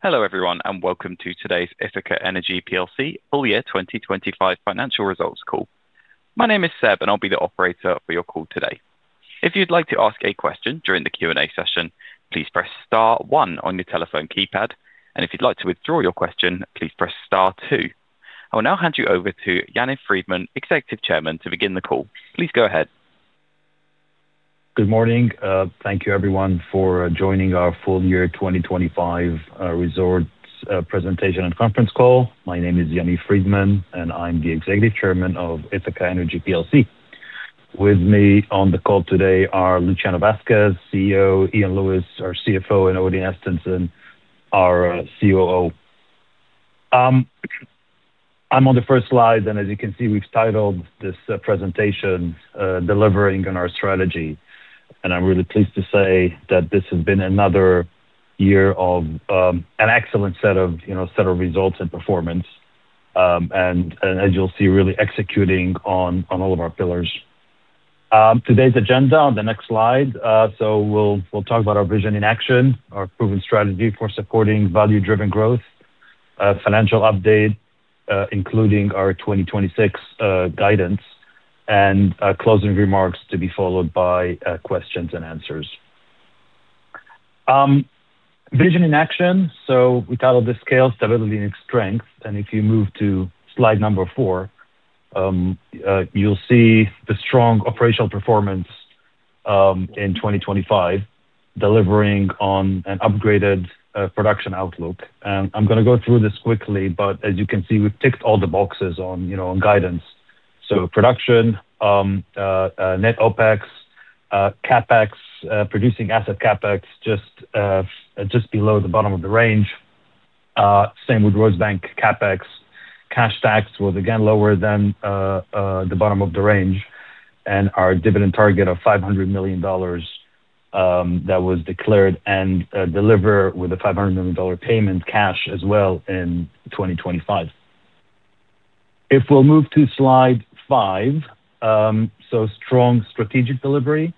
Hello everyone, and welcome to today's Ithaca Energy PLC full year 2025 financial results call. My name is Seb, and I'll be the operator for your call today. If you'd like to ask a question during the Q&A session, please press star one on your telephone keypad. If you'd like to withdraw your question, please press star two. I will now hand you over to Yaniv Friedman, Executive Chairman, to begin the call. Please go ahead. Good morning. Thank you everyone for joining our full year 2025 results presentation and conference call. My name is Yaniv Friedman, and I'm the Executive Chairman of Ithaca Energy PLC. With me on the call today are Luciano Vasques, CEO, Iain Lewis, our CFO, and Odin Estensen, our COO. I'm on the first slide, and as you can see, we've titled this presentation Delivering on Our Strategy. I'm really pleased to say that this has been another year of an excellent set of, you know, results and performance. And as you'll see, really executing on all of our pillars. Today's agenda on the next slide. We'll talk about our vision in action, our proven strategy for supporting value-driven growth, financial update, including our 2026 guidance, and closing remarks to be followed by questions and answers. Vision in action. We titled this scale, stability, and strength. If you move to slide 4, you'll see the strong operational performance in 2025 delivering on an upgraded production outlook. I'm gonna go through this quickly, but as you can see, we've ticked all the boxes on, you know, on guidance. Production, net OpEx, CapEx, producing asset CapEx just below the bottom of the range. Same with Rosebank CapEx. Cash tax was again lower than the bottom of the range. Our dividend target of $500 million, that was declared and delivered with a $500 million cash payment as well in 2025. We'll move to slide 5. Strong strategic delivery,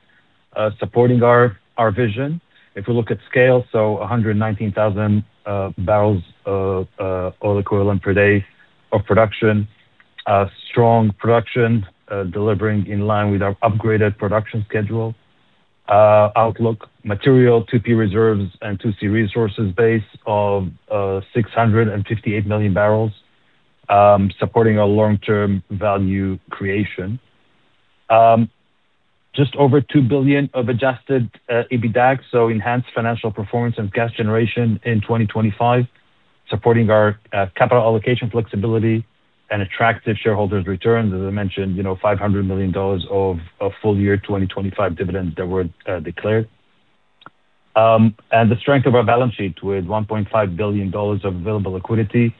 supporting our vision. If we look at scale, a 119,000 bbl of oil equivalent per day of production. Strong production, delivering in line with our upgraded production schedule, outlook material 2P reserves and 2C resources base of 658 million bbl, supporting our long-term value creation. Just over $2 billion of adjusted EBITDA, enhanced financial performance and cash generation in 2025, supporting our capital allocation flexibility and attractive shareholders returns. As I mentioned, you know, $500 million of full year 2025 dividends that were declared. The strength of our balance sheet with $1.5 billion of available liquidity.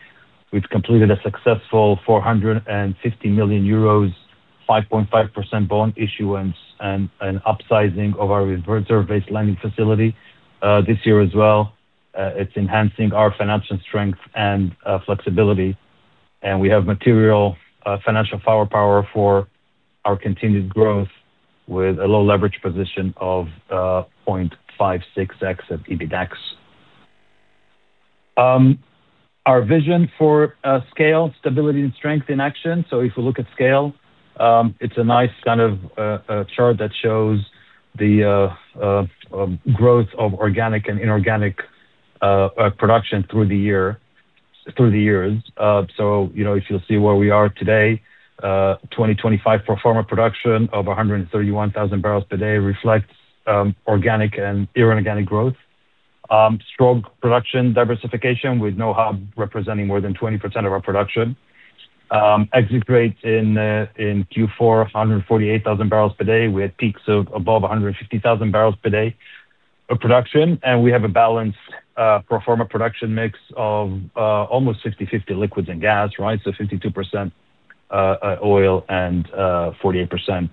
We've completed a successful 450 million euros, 5.5% bond issuance and an upsizing of our reserve-based lending facility this year as well. It's enhancing our financial strength and flexibility. We have material financial firepower for our continued growth with a low leverage position of 0.56x of EBITDA. Our vision for scale, stability and strength in action. If you look at scale, it's a nice kind of chart that shows the growth of organic and inorganic production through the years. You know, if you'll see where we are today, 2025 pro forma production of 131,000 bbl per day reflects organic and inorganic growth. Strong production diversification with no hub representing more than 20% of our production. Exit rates in Q4 of 148,000 bbl per day, with peaks of above 150,000 bbl per day of production. We have a balanced pro forma production mix of almost 60-50 liquids and gas, right? So 52% oil and 48%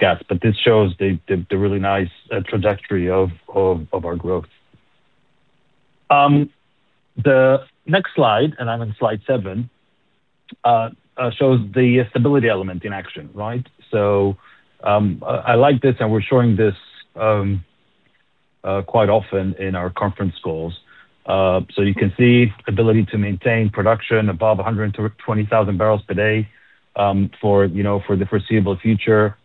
gas. This shows the really nice trajectory of our growth. The next slide, I'm on slide 7, shows the stability element in action, right? I like this, and we're showing this quite often in our conference calls. You can see ability to maintain production above 120,000 bbl per day, you know, for the foreseeable future.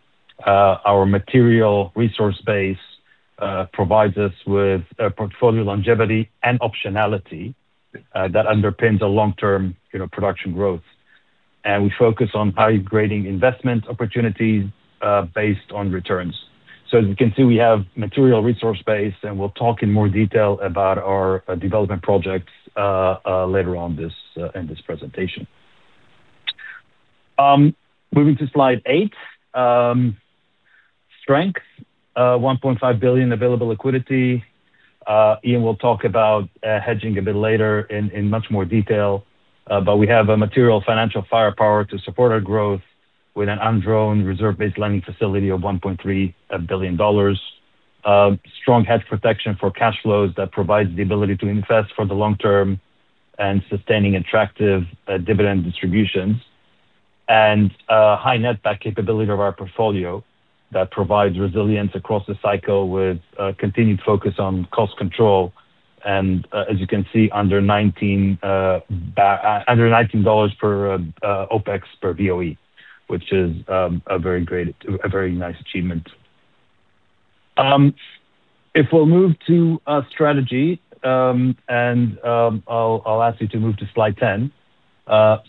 Our material resource base provides us with a portfolio longevity and optionality that underpins a long-term, you know, production growth. We focus on high-grading investment opportunities based on returns. As you can see, we have material resource base, and we'll talk in more detail about our development projects later on in this presentation. Moving to slide 8, strength $1.5 billion available liquidity. Iain will talk about hedging a bit later in much more detail, but we have a material financial firepower to support our growth with an undrawn reserve-based lending facility of $1.3 billion. Strong hedge protection for cash flows that provides the ability to invest for the long term and sustaining attractive dividend distributions. A high netback capability of our portfolio that provides resilience across the cycle with a continued focus on cost control. As you can see under $19 OpEx per BOE, which is a very nice achievement. If we'll move to strategy, I'll ask you to move to slide 10. You know,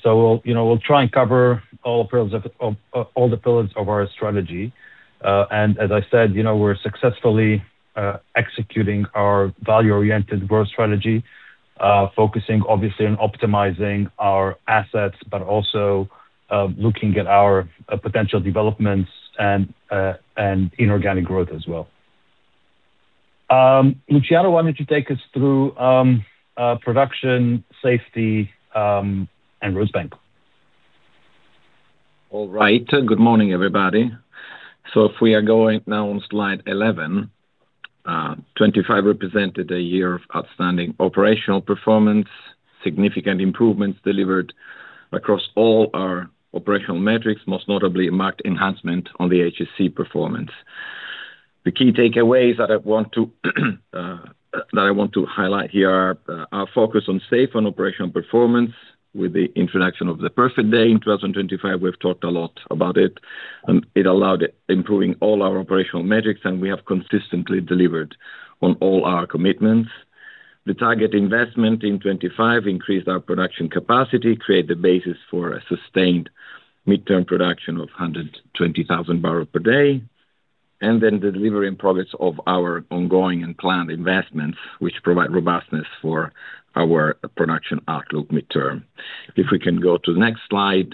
we'll try and cover all the pillars of our strategy. As I said, you know, we're successfully executing our value-oriented growth strategy, focusing obviously on optimizing our assets, but also looking at our potential developments and inorganic growth as well. Luciano, why don't you take us through production, safety, and Rosebank. All right. Good morning, everybody. If we are going now on slide 11. 25 represented a year of outstanding operational performance, significant improvements delivered across all our operational metrics, most notably a marked enhancement on the HSE performance. The key takeaways that I want to highlight here are our focus on safe and operational performance with the introduction of the Perfect Day in 2025. We've talked a lot about it, and it allowed improving all our operational metrics, and we have consistently delivered on all our commitments. The target investment in 25 increased our production capacity, create the basis for a sustained midterm production of 120,000 bbl per day, and then the delivery and progress of our ongoing and planned investments, which provide robustness for our production outlook midterm. If we can go to the next slide.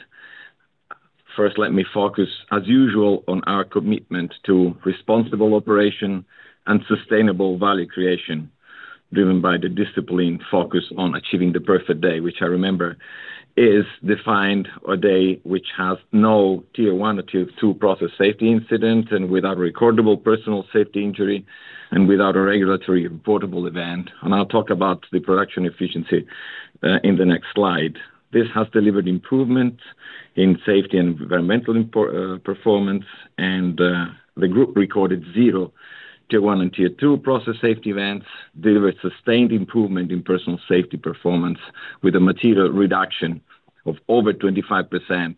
First, let me focus, as usual, on our commitment to responsible operation and sustainable value creation, driven by the disciplined focus on achieving the Perfect Day, which I remember is defined as a day which has no tier one or two process safety incident and without recordable personal safety injury and without a regulatory reportable event. I'll talk about the production efficiency in the next slide. This has delivered improvement in safety and environmental performance, and the group recorded zero tier one and tier two process safety events, delivered sustained improvement in personal safety performance with a material reduction of over 25%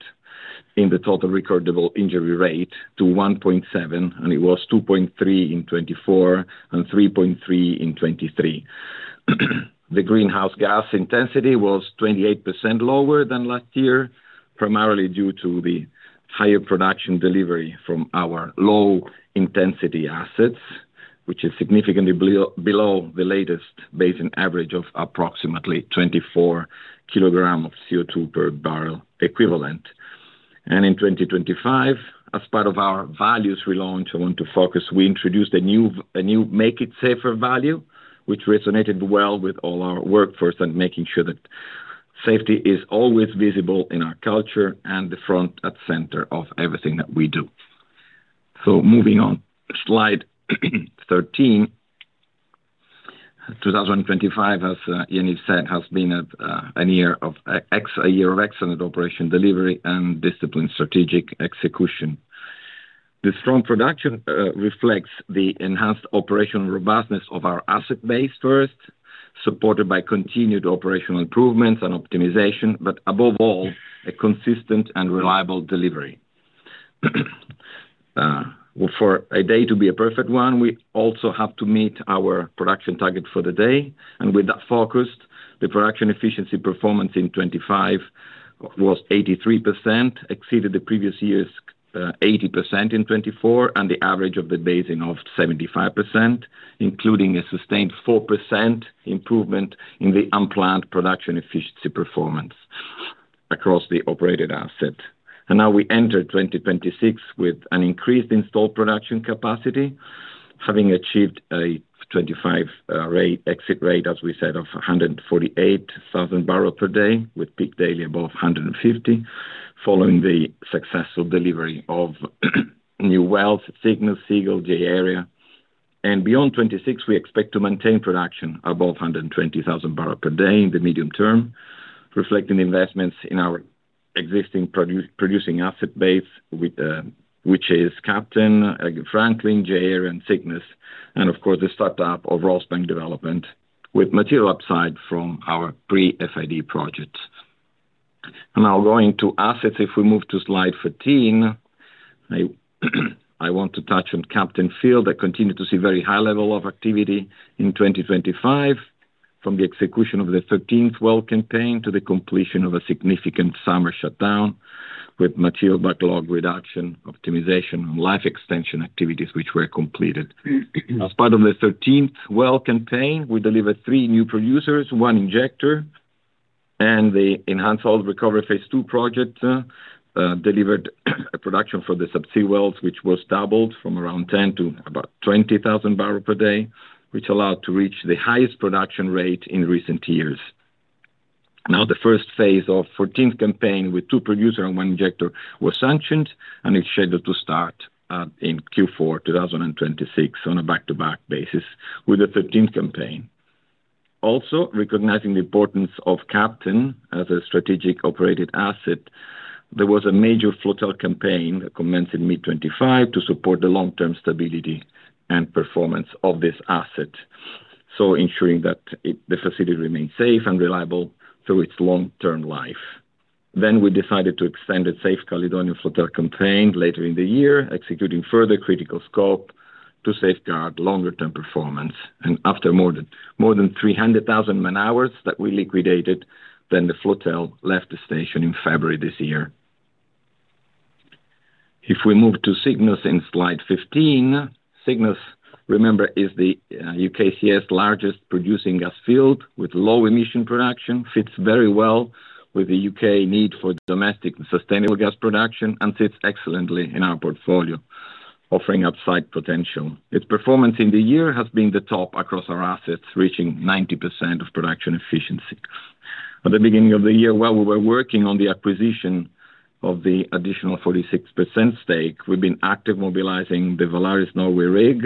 in the total recordable injury rate to 1.7, and it was 2.3 in 2024 and 3.3 in 2023. The greenhouse gas intensity was 28% lower than last year, primarily due to the higher production delivery from our low-intensity assets, which is significantly below the latest basin average of approximately 24 kg of CO2 per barrel equivalent. In 2025, as part of our values relaunch, we introduced a new Make it Safer value, which resonated well with all our workforce and making sure that safety is always visible in our culture and the front and center of everything that we do. Moving on, Slide 13. 2025, as Yaniv said, has been a year of excellent operational delivery and disciplined strategic execution. The strong production reflects the enhanced operational robustness of our asset base first, supported by continued operational improvements and optimization, but above all, a consistent and reliable delivery. For a day to be a perfect one, we also have to meet our production target for the day. With that focus, the production efficiency performance in 2025 was 83%, exceeded the previous year's 80% in 2024 and the average of the basin of 75%, including a sustained 4% improvement in the unplanned production efficiency performance across the operated asset. Now we enter 2026 with an increased installed production capacity, having achieved a 2025 exit rate, as we said, of 148,000 bbl per day with peak daily above 150 following the successful delivery of new wells, Cygnus, Seagull, J-Area. Beyond 2026, we expect to maintain production above 120,000 bbl per day in the medium term, reflecting the investments in our existing producing asset base with, which is Captain, Franklin, J-Area, and Cygnus, and of course, the startup of Rosebank development with material upside from our pre-FID projects. Now going to assets, if we move to slide 13. I want to touch on Captain Field. I continue to see very high level of activity in 2025, from the execution of the 13th well campaign to the completion of a significant summer shutdown with material backlog reduction, optimization, and life extension activities, which were completed. As part of the 13th well campaign, we delivered three new producers, one injector, and the enhanced oil recovery phase two project delivered a production for the subsea wells, which was doubled from around 10 to about 20,000 bbl per day, which allowed to reach the highest production rate in recent years. The first phase of 14th campaign with two producers and one injector was sanctioned, and it's scheduled to start in Q4 2026 on a back-to-back basis with the 13th campaign. Recognizing the importance of Captain as a strategic operated asset, there was a major floater campaign that commenced in mid-2025 to support the long-term stability and performance of this asset, so ensuring that it, the facility remains safe and reliable through its long-term life. We decided to extend the Safe Caledonia floater campaign later in the year, executing further critical scope to safeguard longer term performance. After more than 300,000 man-hours that we liquidated, then the floater left the station in February this year. If we move to Cygnus in slide 15. Cygnus, remember, is the UKCS largest producing gas field with low emission production, fits very well with the U.K. need for domestic sustainable gas production, and sits excellently in our portfolio, offering upside potential. Its performance in the year has been the top across our assets, reaching 90% of production efficiency. At the beginning of the year, while we were working on the acquisition of the additional 46% stake, we've been active mobilizing the Valaris Norway rig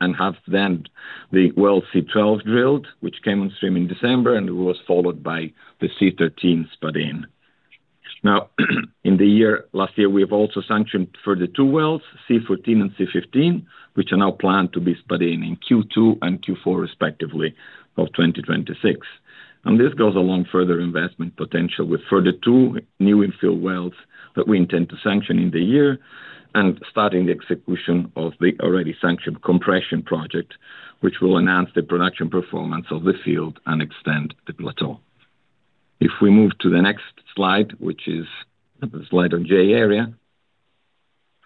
and have then the well C-12 drilled, which came on stream in December, and it was followed by the C-13 spud-in. Now, in the year, last year, we have also sanctioned for the two wells, C-14 and C-15, which are now planned to be spud-in in Q2 and Q4 respectively of 2026. This goes along further investment potential with further two new infill wells that we intend to sanction in the year and starting the execution of the already sanctioned compression project, which will enhance the production performance of the field and extend the plateau. If we move to the next slide, which is the slide on J-Area.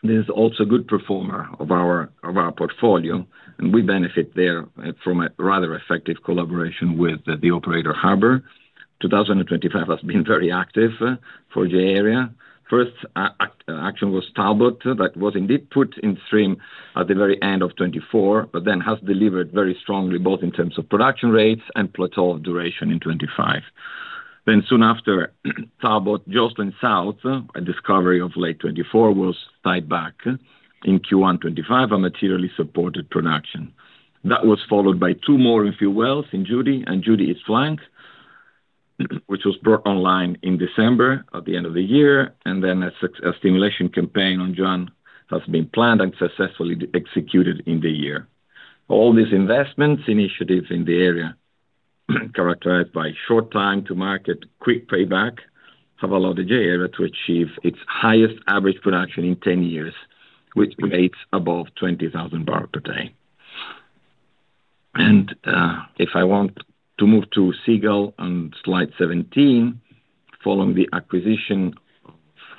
This is also a good performer of our portfolio, and we benefit there from a rather effective collaboration with the operator, Harbour. 2025 has been very active for J-Area. First action was Talbot. That was indeed put on stream at the very end of 2024, but then has delivered very strongly, both in terms of production rates and plateau duration in 2025. Soon after Talbot, Jocelyn South, a discovery of late 2024, was tied back in Q1 2025 and materially supported production. That was followed by two more infill wells in Judy and Judy East Flank, which was brought online in December at the end of the year, and then a stimulation campaign on Juno has been planned and successfully executed in the year. All these investment initiatives in the area characterized by short time to market, quick payback, have allowed the J-Area to achieve its highest average production in 10 years, with rates above 20,000 bbl per day. If I want to move to Seagull on slide 17. Following the acquisition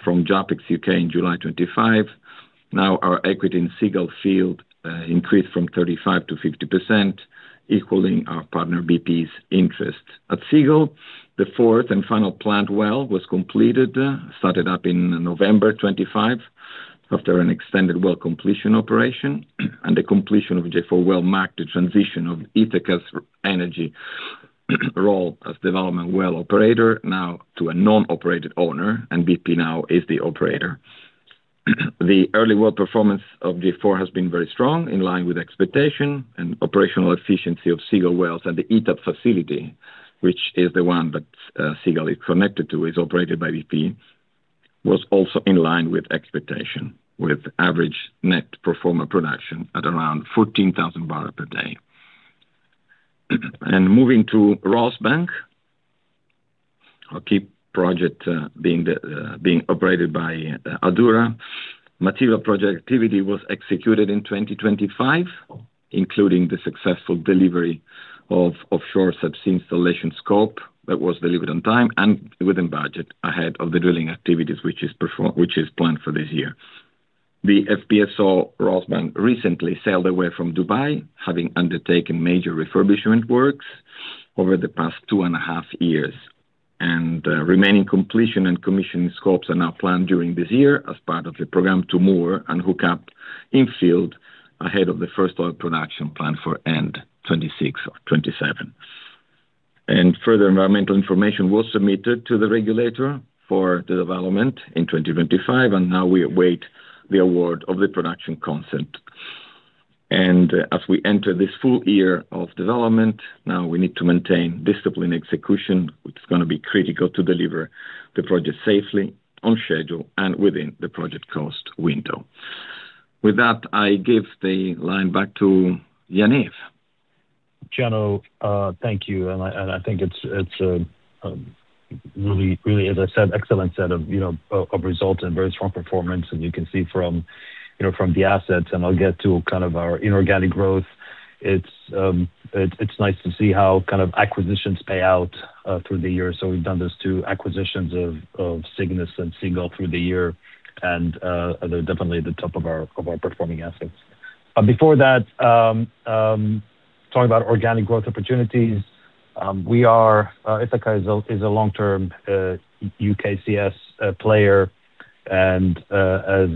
from JAPEX UK in July 2025, now our equity in Seagull field increased from 35%-50%, equaling our partner BP's interest. At Seagull, the fourth and final planned well was completed, started up in November 2025 after an extended well completion operation, and the completion of J4 well marked the transition of Ithaca Energy's role as development well operator now to a non-operated owner, and BP now is the operator. The early well performance of J4 has been very strong, in line with expectation and operational efficiency of Seagull wells and the ETAP facility, which is the one that Seagull is connected to, is operated by BP, was also in line with expectation with average net production performance at around 14,000 bbl per day. Moving to Rosebank. Our key project being operated by Equinor. Material project activity was executed in 2025, including the successful delivery of offshore subsea installation scope that was delivered on time and within budget ahead of the drilling activities, which is planned for this year. The FPSO Rosebank recently sailed away from Dubai, having undertaken major refurbishment works over the past 2.5 years. Remaining completion and commissioning scopes are now planned during this year as part of the program to moor and hook up infield ahead of the first oil production planned for end 2026 or 2027. Further environmental information was submitted to the regulator for the development in 2025, and now we await the award of the production consent. As we enter this full year of development, now we need to maintain disciplined execution, which is gonna be critical to deliver the project safely, on schedule, and within the project cost window. With that, I give the line back to Yaniv. Luciano, thank you. I think it's a really, as I said, excellent set of, you know, results and very strong performance. You can see from, you know, from the assets, and I'll get to kind of our inorganic growth. It's nice to see how kind of acquisitions pay out through the year. We've done those two acquisitions of Cygnus and Seagull through the year, and they're definitely the top of our performing assets. Before that, talking about organic growth opportunities, Ithaca is a long-term UKCS player, and as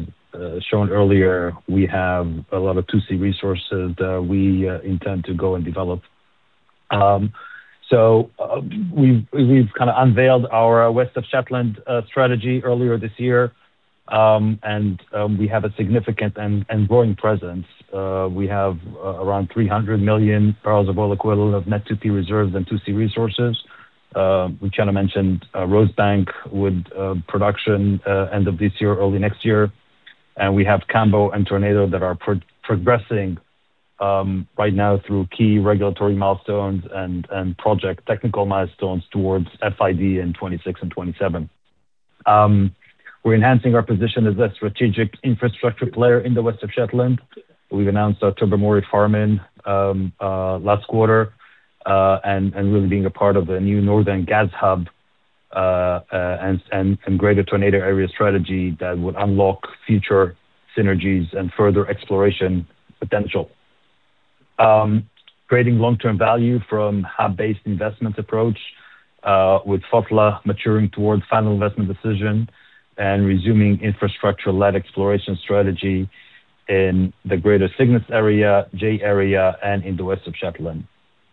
shown earlier, we have a lot of 2C resources that we intend to go and develop. We've kind of unveiled our West of Shetland strategy earlier this year, and we have a significant and growing presence. We have around 300 million bbl of oil equivalent of net 2P reserves and 2C resources. Luciano mentioned Rosebank with production end of this year or early next year. We have Cambo and Tornado that are progressing right now through key regulatory milestones and project technical milestones towards FID in 2026 and 2027. We're enhancing our position as a strategic infrastructure player in the West of Shetland. We've announced our Tobermory farm-in last quarter, and really being a part of the new Northern Gas Hub, and greater Tornado area strategy that would unlock future synergies and further exploration potential. Creating long-term value from hub-based investment approach, with Fotla maturing towards final investment decision and resuming infrastructure-led exploration strategy in the greater Cygnus area, J-Area, and in the West of Shetland.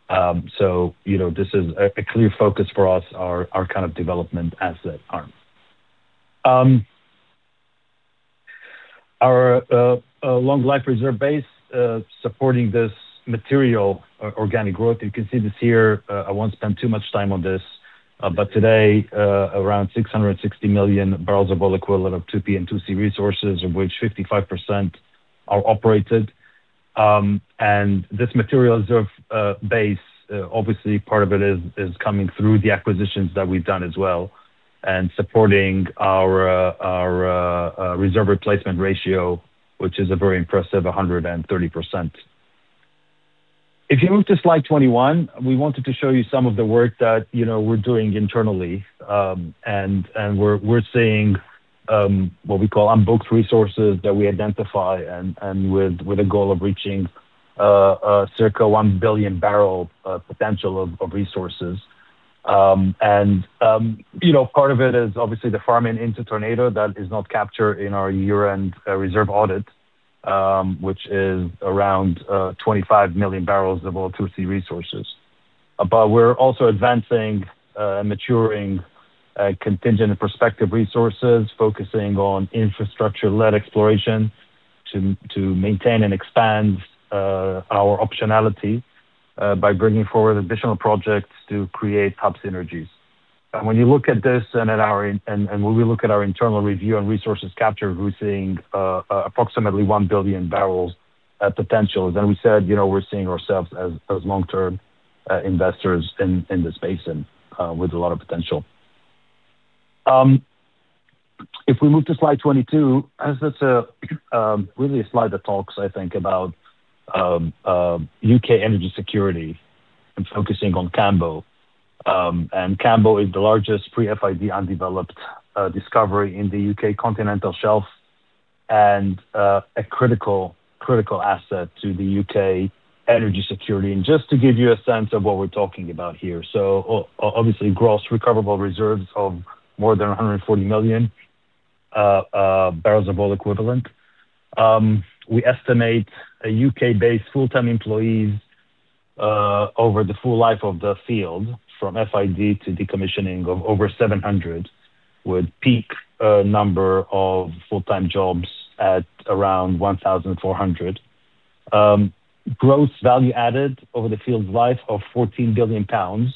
You know, this is a clear focus for us, our kind of development asset arm. Our long life reserve base supporting this material organic growth. You can see this here. I won't spend too much time on this, but today, around 660 million bbl of oil equivalent of 2P and 2C resources, of which 55% are operated. This material reserve base obviously part of it is coming through the acquisitions that we've done as well and supporting our reserve replacement ratio, which is a very impressive 130%. If you move to slide 21, we wanted to show you some of the work that, you know, we're doing internally. We're seeing what we call unbooked resources that we identify and with a goal of reaching circa 1 billion barrel potential of resources. You know, part of it is obviously the farming into Tornado that is not captured in our year-end reserve audit, which is around 25 million bbl of oil 2C resources. We're also advancing maturing contingent and prospective resources, focusing on infrastructure-led exploration to maintain and expand our optionality by bringing forward additional projects to create hub synergies. When you look at this and when we look at our internal review on resources captured, we're seeing approximately 1 billion bbl potential. We said, you know, we're seeing ourselves as long-term investors in this basin with a lot of potential. If we move to slide 22, as it's really a slide that talks, I think about U.K. energy security and focusing on Cambo. Cambo is the largest pre-FID undeveloped discovery in the U.K. Continental Shelf and a critical asset to the U.K. energy security. Just to give you a sense of what we're talking about here. Obviously, gross recoverable reserves of more than 140 million bbl of oil equivalent. We estimate U.K.-based full-time employees over the full life of the field, from FID to decommissioning, of over 700, with peak number of full-time jobs at around 1,400. Gross value added over the field's life of 14 billion pounds.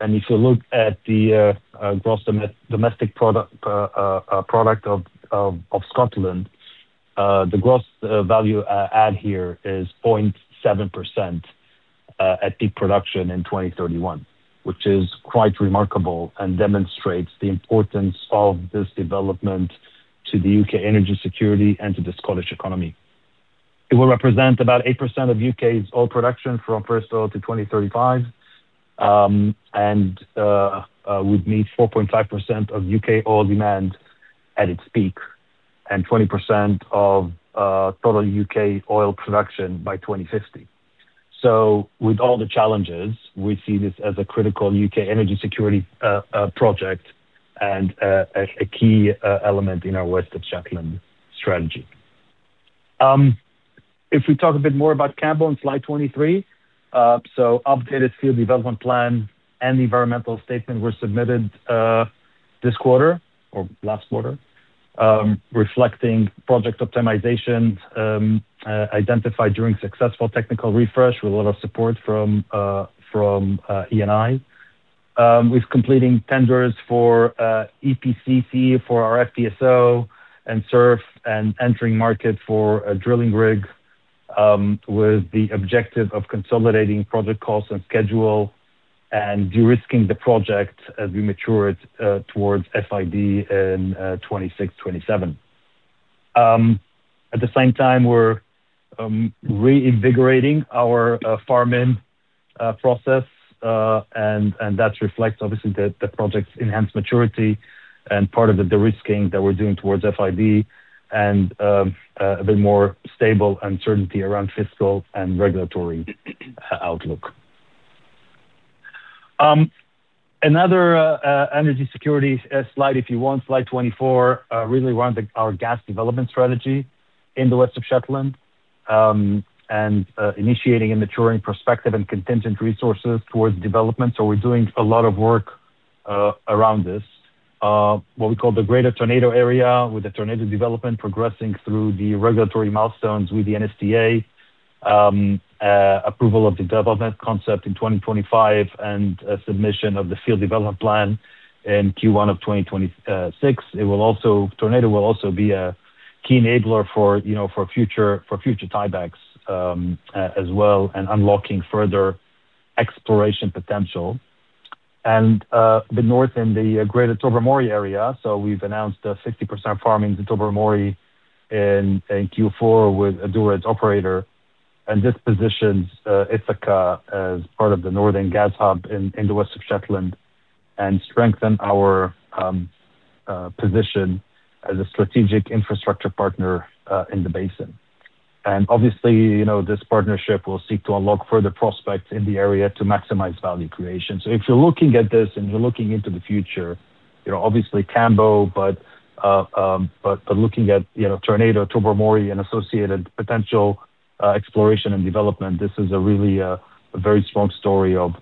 If you look at the gross domestic product of Scotland, the gross value added here is 0.7% at peak production in 2031, which is quite remarkable and demonstrates the importance of this development to the U.K. energy security and to the Scottish economy. It will represent about 8% of U.K.'s oil production from first oil to 2035, and would meet 4.5% of U.K. oil demand at its peak and 20% of total U.K. oil production by 2050. With all the challenges, we see this as a critical U.K. energy security project and a key element in our West of Shetland strategy. If we talk a bit more about Cambo on slide 23. Updated field development plan and environmental statement were submitted this quarter or last quarter, reflecting project optimizations identified during successful technical refresh with a lot of support from Eni. With completing tenders for EPCC for our FPSO and SURF, and entering the market for a drilling rig, with the objective of consolidating project costs and schedule and de-risking the project as we mature it towards FID in 2026-2027. At the same time, we're reinvigorating our farm-in process. That reflects obviously the project's enhanced maturity and part of the de-risking that we're doing towards FID and a bit more stable uncertainty around fiscal and regulatory outlook. Another energy security slide if you want, slide 24, really around our gas development strategy in the West of Shetland, initiating and maturing prospective and contingent resources towards development. We're doing a lot of work around this. What we call the Greater Tornado Area, with the Tornado development progressing through the regulatory milestones with the NSTA, approval of the development concept in 2025, and a submission of the field development plan in Q1 of 2026. Tornado will also be a key enabler for, you know, future tiebacks, as well, and unlocking further exploration potential. Then in the Greater Tobermory area. We've announced a 60% farm-in to Tobermory in Q4 with Equinor's operator. This positions Ithaca as part of the northern gas hub in the West of Shetland and strengthen our position as a strategic infrastructure partner in the basin. Obviously, you know, this partnership will seek to unlock further prospects in the area to maximize value creation. If you're looking at this and you're looking into the future, you know, obviously Cambo, but looking at, you know, Tornado, Tobermory, and associated potential exploration and development, this is a really a very strong story of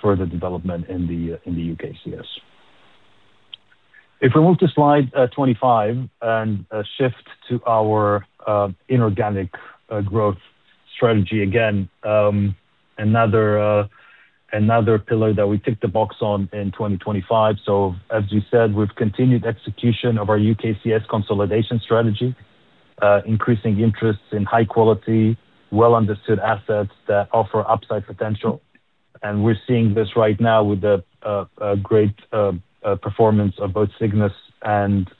further development in the UKCS. If we move to slide 25 and shift to our inorganic growth strategy. Again, another pillar that we ticked the box on in 2025. As we said, we've continued execution of our UKCS consolidation strategy, increasing interests in high quality, well-understood assets that offer upside potential. We're seeing this right now with the great performance of both Cygnus and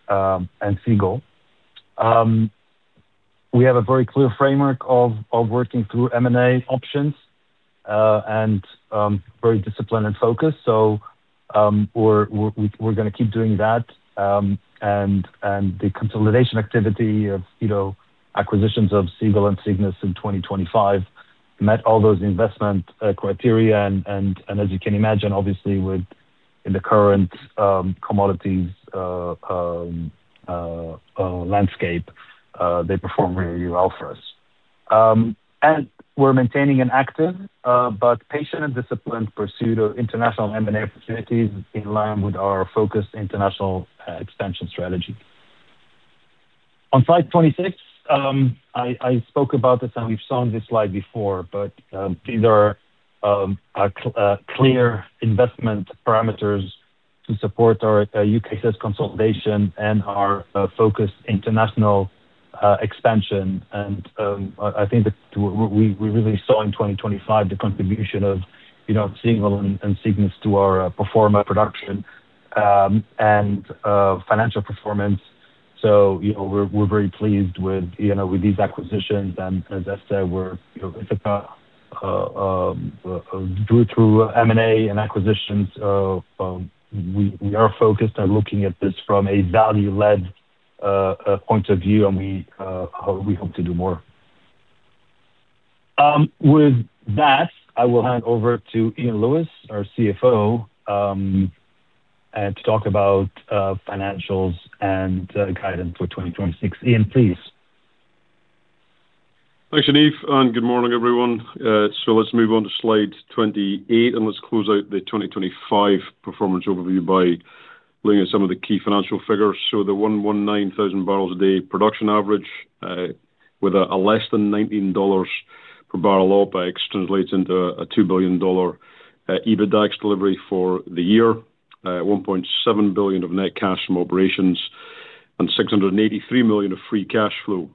Seagull. We have a very clear framework of working through M&A options and very disciplined and focused. We're gonna keep doing that. The consolidation activity of, you know, acquisitions of Seagull and Cygnus in 2025 met all those investment criteria. As you can imagine, obviously, within the current commodities landscape, they perform really well for us. We're maintaining an active but patient and disciplined pursuit of international M&A opportunities in line with our focused international expansion strategy. On slide 26, I spoke about this, and we've seen this slide before, but these are clear investment parameters to support our UKCS consolidation and our focused international expansion. I think that we really saw in 2025 the contribution of, you know, Seagull and Cygnus to our production performance and financial performance. You know, we are very pleased with, you know, with these acquisitions. As I said, we are, you know, Ithaca through M&A and acquisitions, we are focused on looking at this from a value-led point of view, and we hope to do more. With that, I will hand over to Iain Lewis, our CFO, to talk about financials and guidance for 2026. Iain, please. Thanks, Yaniv Friedman, and good morning, everyone. Let's move on to slide 28, and let's close out the 2025 performance overview by looking at some of the key financial figures. The 119,000 bbl a day production average, with less than $19 per barrel OpEx translates into a $2 billion EBITDAX delivery for the year. $1.7 billion of net cash from operations and $683 million of free cash flow.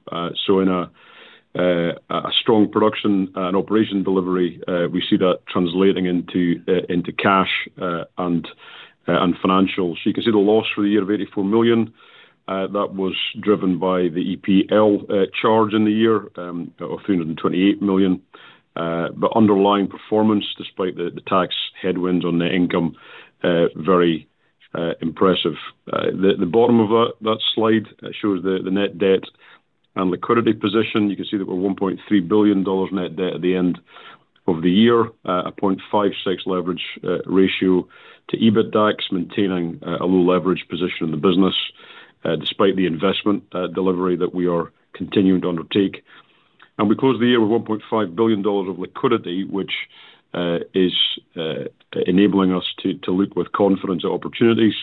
In a strong production and operation delivery, we see that translating into cash and financials. You can see the loss for the year of $84 million, that was driven by the EPL charge in the year of $328 million. Underlying performance, despite the tax headwinds on net income, very impressive. The bottom of that slide shows the net debt and liquidity position. You can see that we're $1.3 billion net debt at the end of the year. 0.56 leverage ratio to EBITDAX, maintaining a low leverage position in the business, despite the investment delivery that we are continuing to undertake. We closed the year with $1.5 billion of liquidity, which is enabling us to look with confidence at opportunities,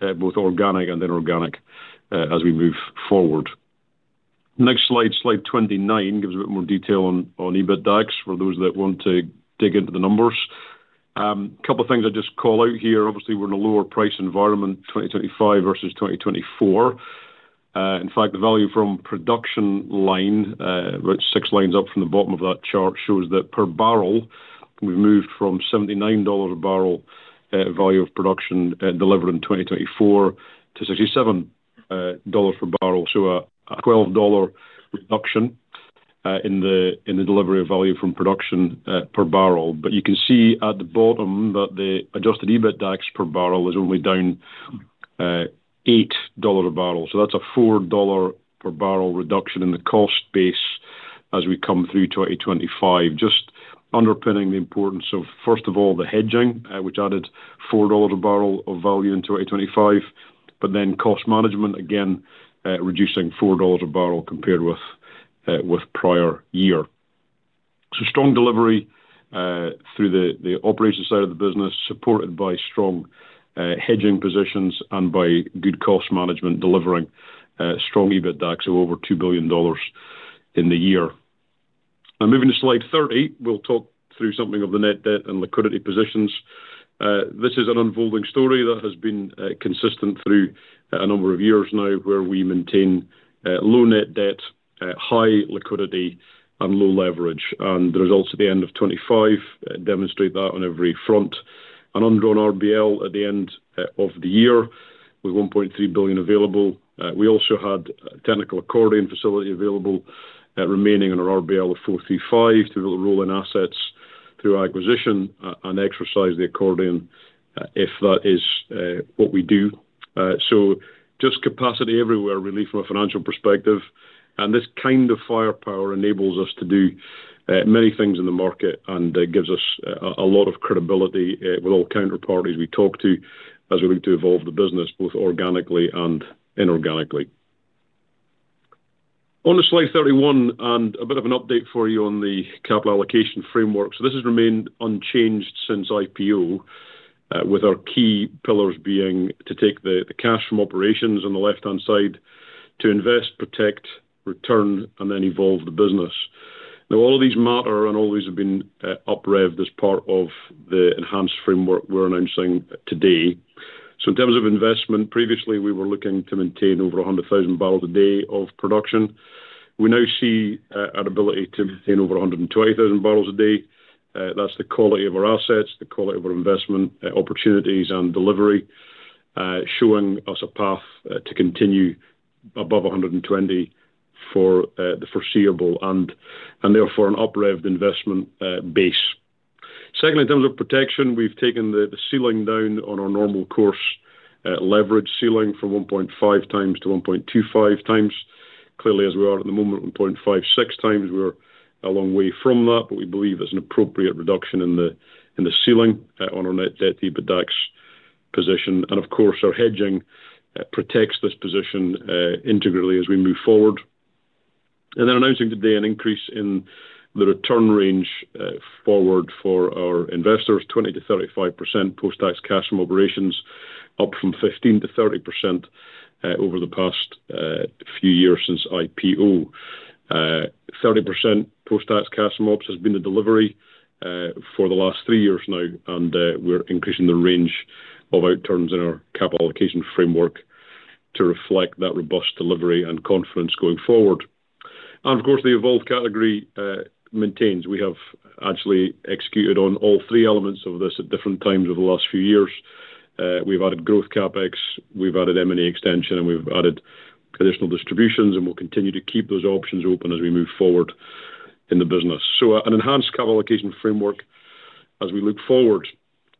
both organic and inorganic, as we move forward. Next slide 29, gives a bit more detail on EBITDAX for those that want to dig into the numbers. Couple of things I'll just call out here. Obviously, we're in a lower price environment, 2025 versus 2024. In fact, the value from production line about 6 lines up from the bottom of that chart shows that per barrel we moved from $79 a barrel value of production delivered in 2024 to $67 per barrel. A $12 reduction in the delivery of value from production per barrel. You can see at the bottom that the adjusted EBITDAX per barrel is only down $8 a barrel. That's a $4 per barrel reduction in the cost base. As we come through 2025, just underpinning the importance of, first of all, the hedging, which added $4 a barrel of value in 2025, but then cost management again, reducing $4 a barrel compared with prior year. Strong delivery through the operations side of the business, supported by strong hedging positions and by good cost management, delivering strong EBITDA of over $2 billion in the year. Moving to slide 30, we'll talk through some of the net debt and liquidity positions. This is an unfolding story that has been consistent through a number of years now, where we maintain low net debt, high liquidity and low leverage. The results at the end of 2025 demonstrate that on every front. An undrawn RBL at the end of the year with $1.3 billion available. We also had technical accordion facility available remaining on our RBL of $435 million to roll in assets through acquisition and exercise the accordion if that is what we do. Just capacity everywhere, really, from a financial perspective. This kind of firepower enables us to do many things in the market, and it gives us a lot of credibility with all counterparties we talk to as we look to evolve the business both organically and inorganically. On to slide 31, and a bit of an update for you on the capital allocation framework. This has remained unchanged since IPO, with our key pillars being to take the cash from operations on the left-hand side to invest, protect, return, and then evolve the business. Now all of these matter, and all these have been uprevved as part of the enhanced framework we're announcing today. In terms of investment, previously we were looking to maintain over 100,000 bbl a day of production. We now see an ability to maintain over 120,000 bbl a day. That's the quality of our assets, the quality of our investment opportunities and delivery, showing us a path to continue above 120,000 for the foreseeable and therefore an uprevved investment base. Secondly, in terms of protection, we've taken the ceiling down on our normal course leverage ceiling from 1.5x to 1.25x. Clearly, as we are at the moment, 1.56x, we're a long way from that. We believe it's an appropriate reduction in the ceiling on our net debt to EBITDA position. Of course, our hedging protects this position integrally as we move forward. Announcing today an increase in the return range forward for our investors, 20%-35% post-tax cash from operations, up from 15%-30% over the past few years since IPO. 30% post-tax cash from ops has been the delivery for the last three years now, and we're increasing the range of outturns in our capital allocation framework to reflect that robust delivery and confidence going forward. Of course, the evolve category maintains. We have actually executed on all three elements of this at different times over the last few years. We've added growth CapEx, we've added M&A extension, and we've added conditional distributions, and we'll continue to keep those options open as we move forward in the business. An enhanced capital allocation framework as we look forward.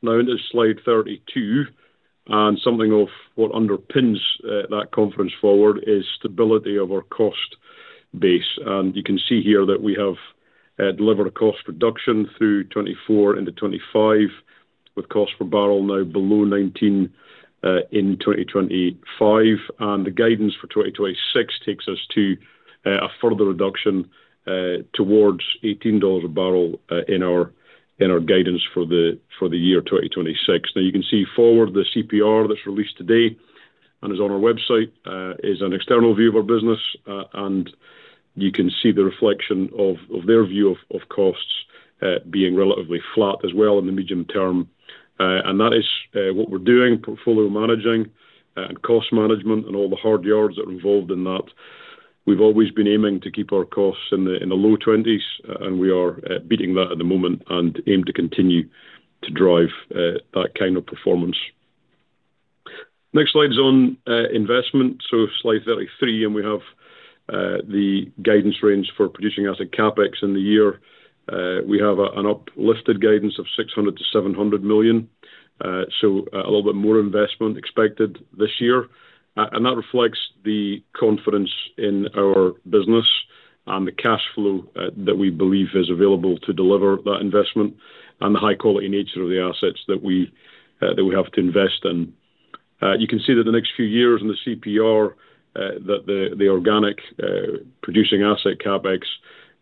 Now into slide 32, and something of what underpins that confidence forward is stability of our cost base. You can see here that we have delivered a cost reduction through 2024 into 2025, with cost per barrel now below $19 in 2025. The guidance for 2026 takes us to a further reduction towards $18 a barrel in our guidance for the year 2026. Now you can see forward the CPR that's released today and is on our website is an external view of our business. You can see the reflection of their view of costs being relatively flat as well in the medium term. That is what we're doing, portfolio managing and cost management and all the hard yards that are involved in that. We've always been aiming to keep our costs in the low twenties, and we are beating that at the moment and aim to continue to drive that kind of performance. Next slide is on investment, so slide 33, and we have the guidance range for producing asset CapEx in the year. We have an uplifted guidance of $600 million-$700 million, so a little bit more investment expected this year. That reflects the confidence in our business and the cash flow that we believe is available to deliver that investment and the high-quality nature of the assets that we have to invest in. You can see that the next few years in the CPR, that the organic producing asset CapEx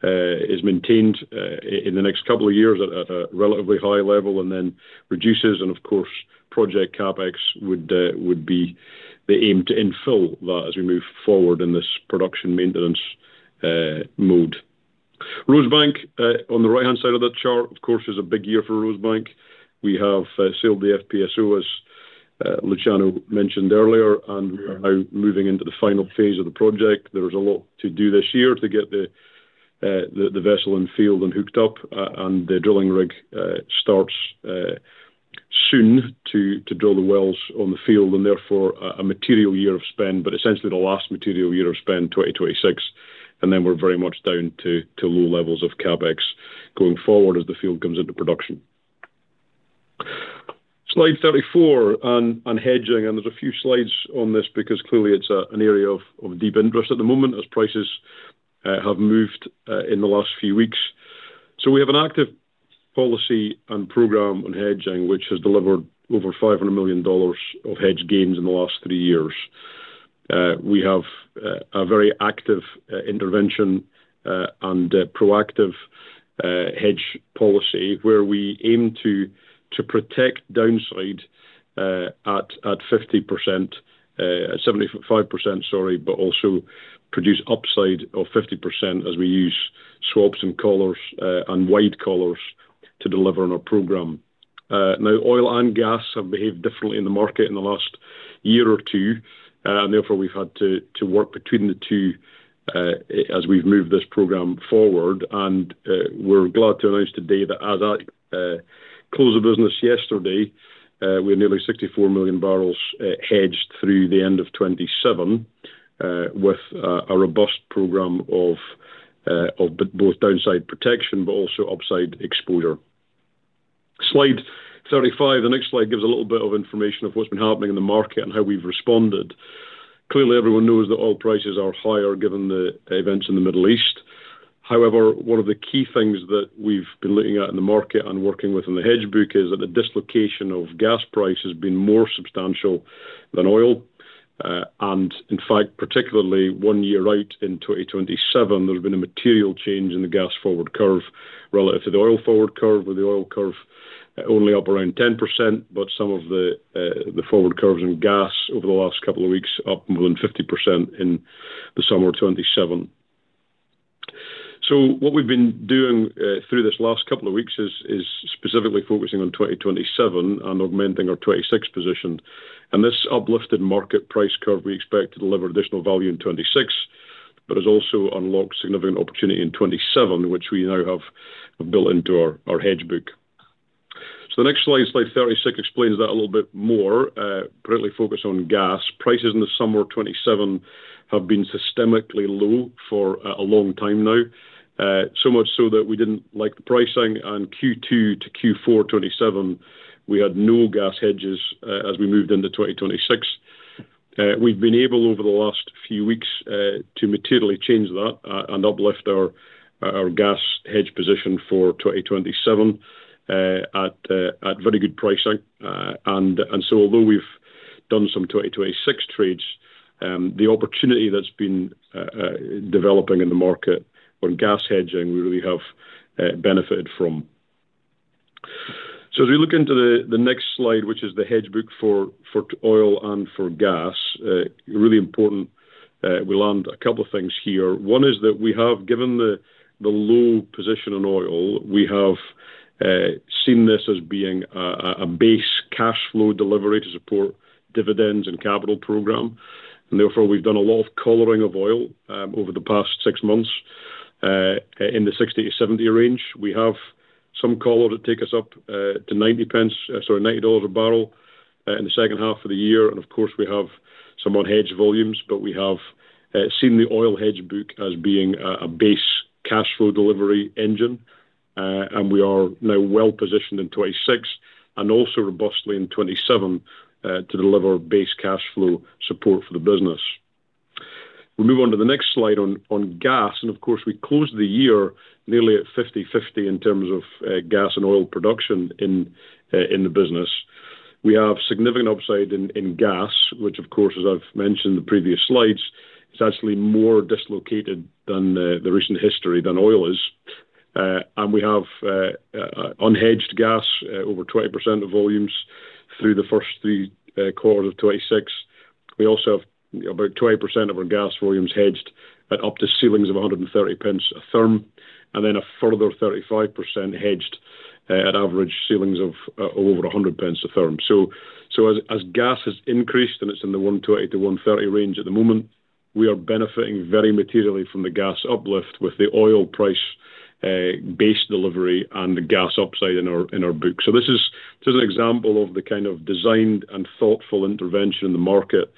is maintained in the next couple of years at a relatively high level and then reduces and of course, project CapEx would be the aim to infill that as we move forward in this production maintenance mode. Rosebank on the right-hand side of that chart, of course, is a big year for Rosebank. We have sailed the FPSO, as Luciano mentioned earlier, and we are now moving into the final phase of the project. There is a lot to do this year to get the vessel and field hooked up, and the drilling rig starts soon to drill the wells on the field and therefore a material year of spend, but essentially the last material year of spend, 2026. We're very much down to low levels of CapEx going forward as the field comes into production. Slide 34 on hedging, and there's a few slides on this because clearly it's an area of deep interest at the moment as prices have moved in the last few weeks. We have an active policy and program on hedging, which has delivered over $500 million of hedge gains in the last three years. We have a very active intervention and a proactive hedge policy where we aim to protect downside at 50%, 75%, sorry, but also produce upside of 50% as we use swaps and collars and wide collars to deliver on our program. Now oil and gas have behaved differently in the market in the last year or two and therefore we've had to work between the two as we've moved this program forward. We're glad to announce today that as at close of business yesterday we had nearly 64 million bbl hedged through the end of 2027 with a robust program of both downside protection but also upside exposure. Slide 35. The next slide gives a little bit of information of what's been happening in the market and how we've responded. Clearly, everyone knows that oil prices are higher given the events in the Middle East. However, one of the key things that we've been looking at in the market and working with in the hedge book is that the dislocation of gas price has been more substantial than oil. In fact, particularly one year out in 2027, there's been a material change in the gas forward curve relative to the oil forward curve, with the oil curve only up around 10%. Some of the forward curves in gas over the last couple of weeks up more than 50% in the summer of 2027. What we've been doing through this last couple of weeks is specifically focusing on 2027 and augmenting our 2026 position. This uplifted market price curve, we expect to deliver additional value in 2026, but has also unlocked significant opportunity in 2027, which we now have built into our hedge book. The next slide 36, explains that a little bit more, currently focused on gas. Prices in the summer of 2027 have been systematically low for a long time now, so much so that we didn't like the pricing on Q2-Q4 2027. We had no gas hedges as we moved into 2026. We've been able, over the last few weeks, to materially change that and uplift our gas hedge position for 2027 at very good pricing. Although we've done some 2026 trades, the opportunity that's been developing in the market on gas hedging, we really have benefited from. As we look into the next slide, which is the hedge book for oil and gas, really important. We learned a couple of things here. One is that we have given the low position on oil, we have seen this as being a base cash flow delivery to support dividends and capital program. Therefore, we've done a lot of collaring of oil over the past six months in the $60-$70 range. We have some collar to take us up to 0.90, sorry, $90 a barrel in the second half of the year. Of course, we have some unhedged volumes. We have seen the oil hedge book as being a base cash flow delivery engine. We are now well positioned in 2026 and also robustly in 2027 to deliver base cash flow support for the business. We move on to the next slide on gas, and of course, we closed the year nearly at 50/50 in terms of gas and oil production in the business. We have significant upside in gas, which of course, as I've mentioned in the previous slides, is actually more dislocated than the recent history than oil is. We have unhedged gas at over 20% of volumes through the first three quarters of 2026. We also have about 20% of our gas volumes hedged at up to ceilings of 1.30 a therm, and then a further 35% hedged at average ceilings of over a GBP 1 a therm. So as gas has increased, and it's in the 120-130 range at the moment, we are benefiting very materially from the gas uplift with the oil price, base delivery and the gas upside in our book. This is just an example of the kind of designed and thoughtful intervention in the market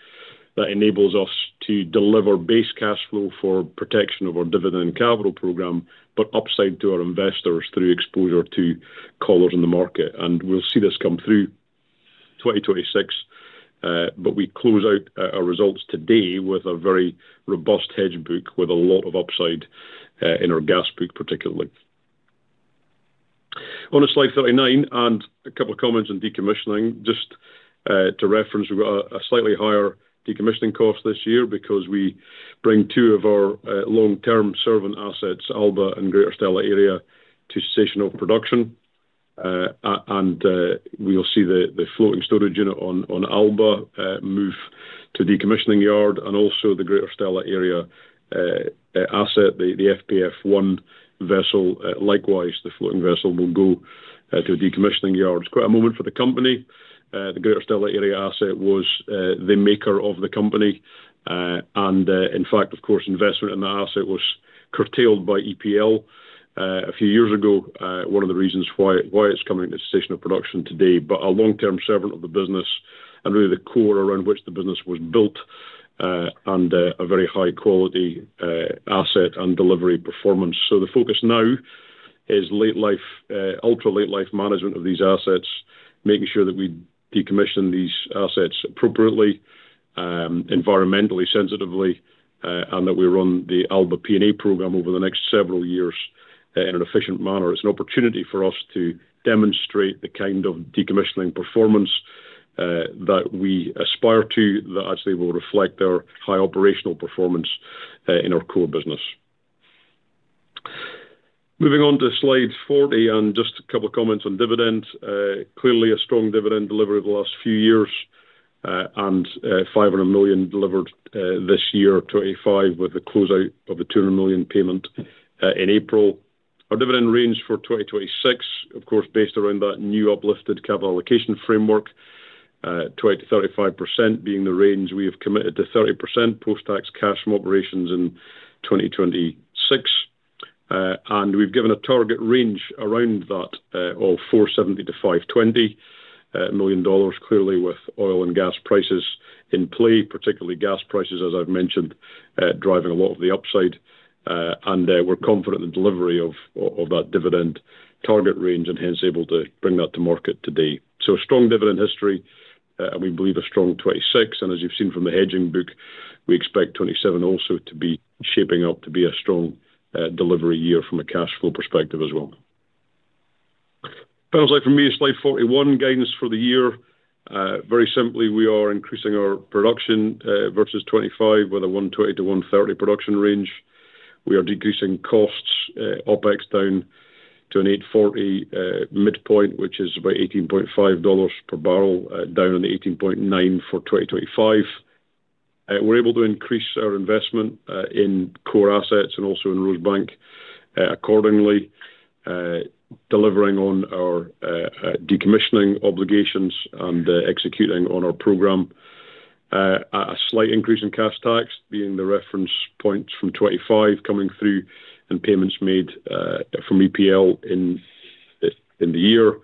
that enables us to deliver base cash flow for protection of our dividend and capital program, but upside to our investors through exposure to collars in the market. We'll see this come through 2026. We close out our results today with a very robust hedge book with a lot of upside in our gas book particularly. On to slide 39 and a couple of comments on decommissioning. Just to reference, we've got a slightly higher decommissioning cost this year because we bring two of our long-term serving assets, Alba and Greater Stella Area, to cessation of production. We'll see the floating storage unit on Alba move to decommissioning yard and also the Greater Stella Area asset, the FPF1 vessel. Likewise, the floating vessel will go to a decommissioning yard. It's quite a moment for the company. The Greater Stella Area asset was the making of the company. In fact, of course, investment in the asset was curtailed by EPL a few years ago. One of the reasons it's coming to cessation of production today. A long-term servant of the business and really the core around which the business was built. A very high quality asset and delivery performance. The focus now is late life ultra-late life management of these assets, making sure that we decommission these assets appropriately, environmentally sensitively, and that we run the Alba P&A program over the next several years in an efficient manner. It's an opportunity for us to demonstrate the kind of decommissioning performance that we aspire to that actually will reflect our high operational performance in our core business. Moving on to slide 40 and just a couple of comments on dividend. Clearly a strong dividend delivery the last few years, and $500 million delivered this year, 2025, with the close out of the $200 million payment in April. Our dividend range for 2026, of course, based around that new uplifted capital allocation framework, 20%-35% being the range. We have committed to 30% post-tax cash from operations in 2026. We've given a target range around that of $470 million-$520 million, clearly with oil and gas prices in play, particularly gas prices, as I've mentioned, driving a lot of the upside. We're confident in the delivery of that dividend target range and hence able to bring that to market today. A strong dividend history, and we believe a strong 2026. As you've seen from the hedging book, we expect 2027 also to be shaping up to be a strong delivery year from a cash flow perspective as well. Sounds like for me, slide 41, guidance for the year. Very simply, we are increasing our production versus 2025 with a 120-130 production range. We are decreasing costs, OpEx down to an $840 midpoint, which is about $18.5 per barrel, down from the $18.9 for 2025. We're able to increase our investment in core assets and also in Rosebank accordingly, delivering on our decommissioning obligations and executing on our program. A slight increase in cash tax being the reference point from 2025 coming through and payments made from EPL in the year.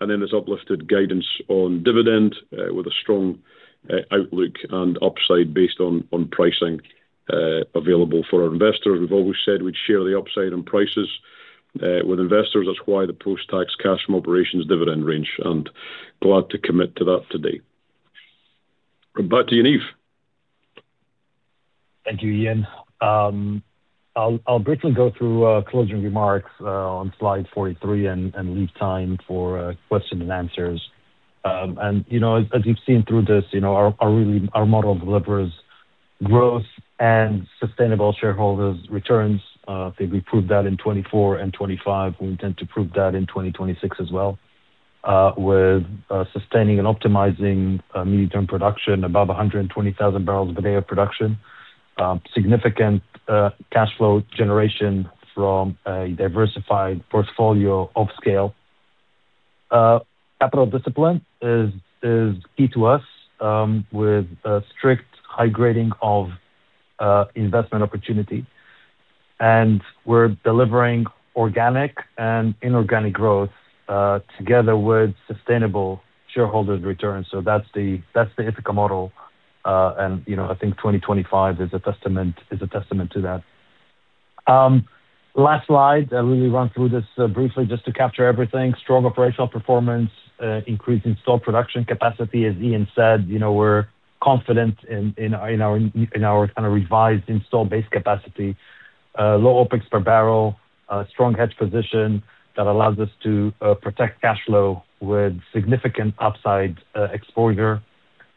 There's uplifted guidance on dividend with a strong outlook and upside based on pricing available for our investors. We've always said we'd share the upside on prices with investors. That's why the post-tax cash from operations dividend range, and glad to commit to that today. Back to you, Yaniv. Thank you, Iain. I'll briefly go through closing remarks on slide 43 and leave time for question and answers. You know, as you've seen through this, you know, our model delivers growth and sustainable shareholders' returns. I think we proved that in 2024 and 2025. We intend to prove that in 2026 as well, with sustaining and optimizing medium-term production above 120,000 bbl per day of production, significant cash flow generation from a diversified portfolio of scale. Capital discipline is key to us, with a strict high grading of investment opportunity. We're delivering organic and inorganic growth, together with sustainable shareholders' returns. That's the Ithaca model. You know, I think 2025 is a testament to that. Last slide. I'll really run through this briefly just to capture everything. Strong operational performance, increasing Stork production capacity. As Iain said, you know, we're confident in our kind of revised installed base capacity. Low OpEx per barrel, a strong hedge position that allows us to protect cash flow with significant upside exposure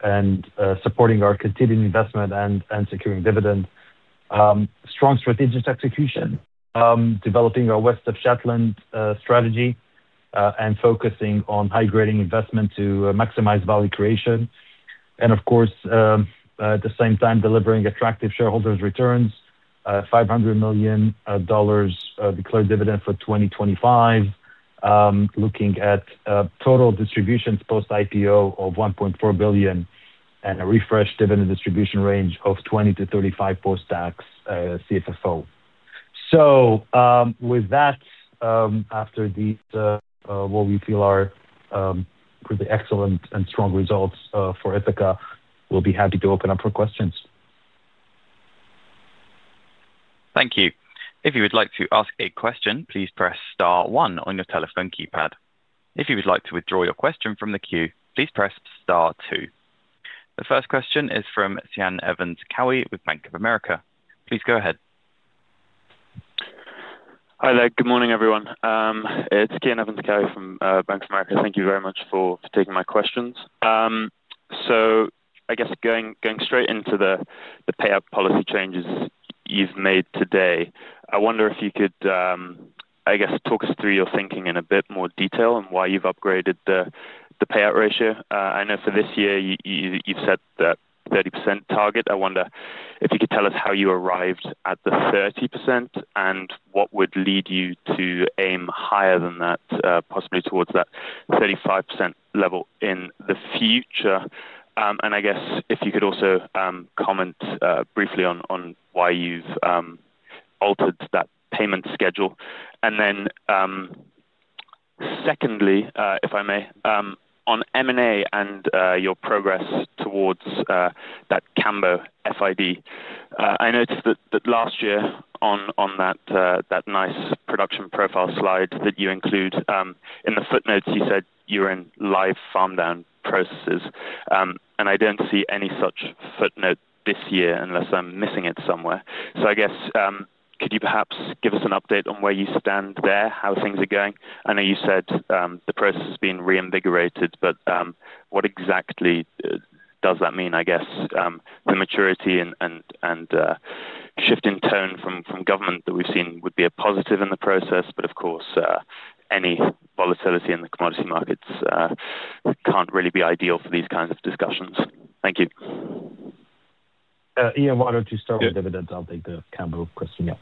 and supporting our continuing investment and securing dividends. Strong strategic execution, developing our West of Shetland strategy and focusing on high-grading investment to maximize value creation. Of course, at the same time, delivering attractive shareholders' returns, $500 million declared dividend for 2025. Looking at total distributions post-IPO of $1.4 billion and a refreshed dividend distribution range of $20-$35 post-tax CFFO. With that, after these what we feel are pretty excellent and strong results for Ithaca, we'll be happy to open up for questions. Thank you. If you would like to ask a question, please press star one on your telephone keypad. If you would like to withdraw your question from the queue, please press star two. The first question is from Cian Evans-Cowie with Bank of America. Please go ahead. Hi there. Good morning, everyone. It's Cian Evans-Cowie from Bank of America. Thank you very much for taking my questions. I guess going straight into the payout policy changes you've made today, I wonder if you could, I guess, talk us through your thinking in a bit more detail on why you've upgraded the payout ratio. I know for this year you've set the 30% target. I wonder if you could tell us how you arrived at the 30% and what would lead you to aim higher than that, possibly towards that 35% level in the future. I guess if you could also comment briefly on why you've altered that payment schedule. Secondly, if I may, on M&A and your progress towards that Cambo FID. I noticed that last year on that nice production profile slide that you include in the footnotes you said you were in live farm down processes. I don't see any such footnote this year unless I'm missing it somewhere. I guess could you perhaps give us an update on where you stand there? How things are going? I know you said the process has been reinvigorated, but what exactly does that mean, I guess. The maturity and shift in tone from government that we've seen would be a positive in the process, but of course, any volatility in the commodity markets can't really be ideal for these kinds of discussions. Thank you. Iain, why don't you start with dividends, I'll take the Cambo question. Yeah.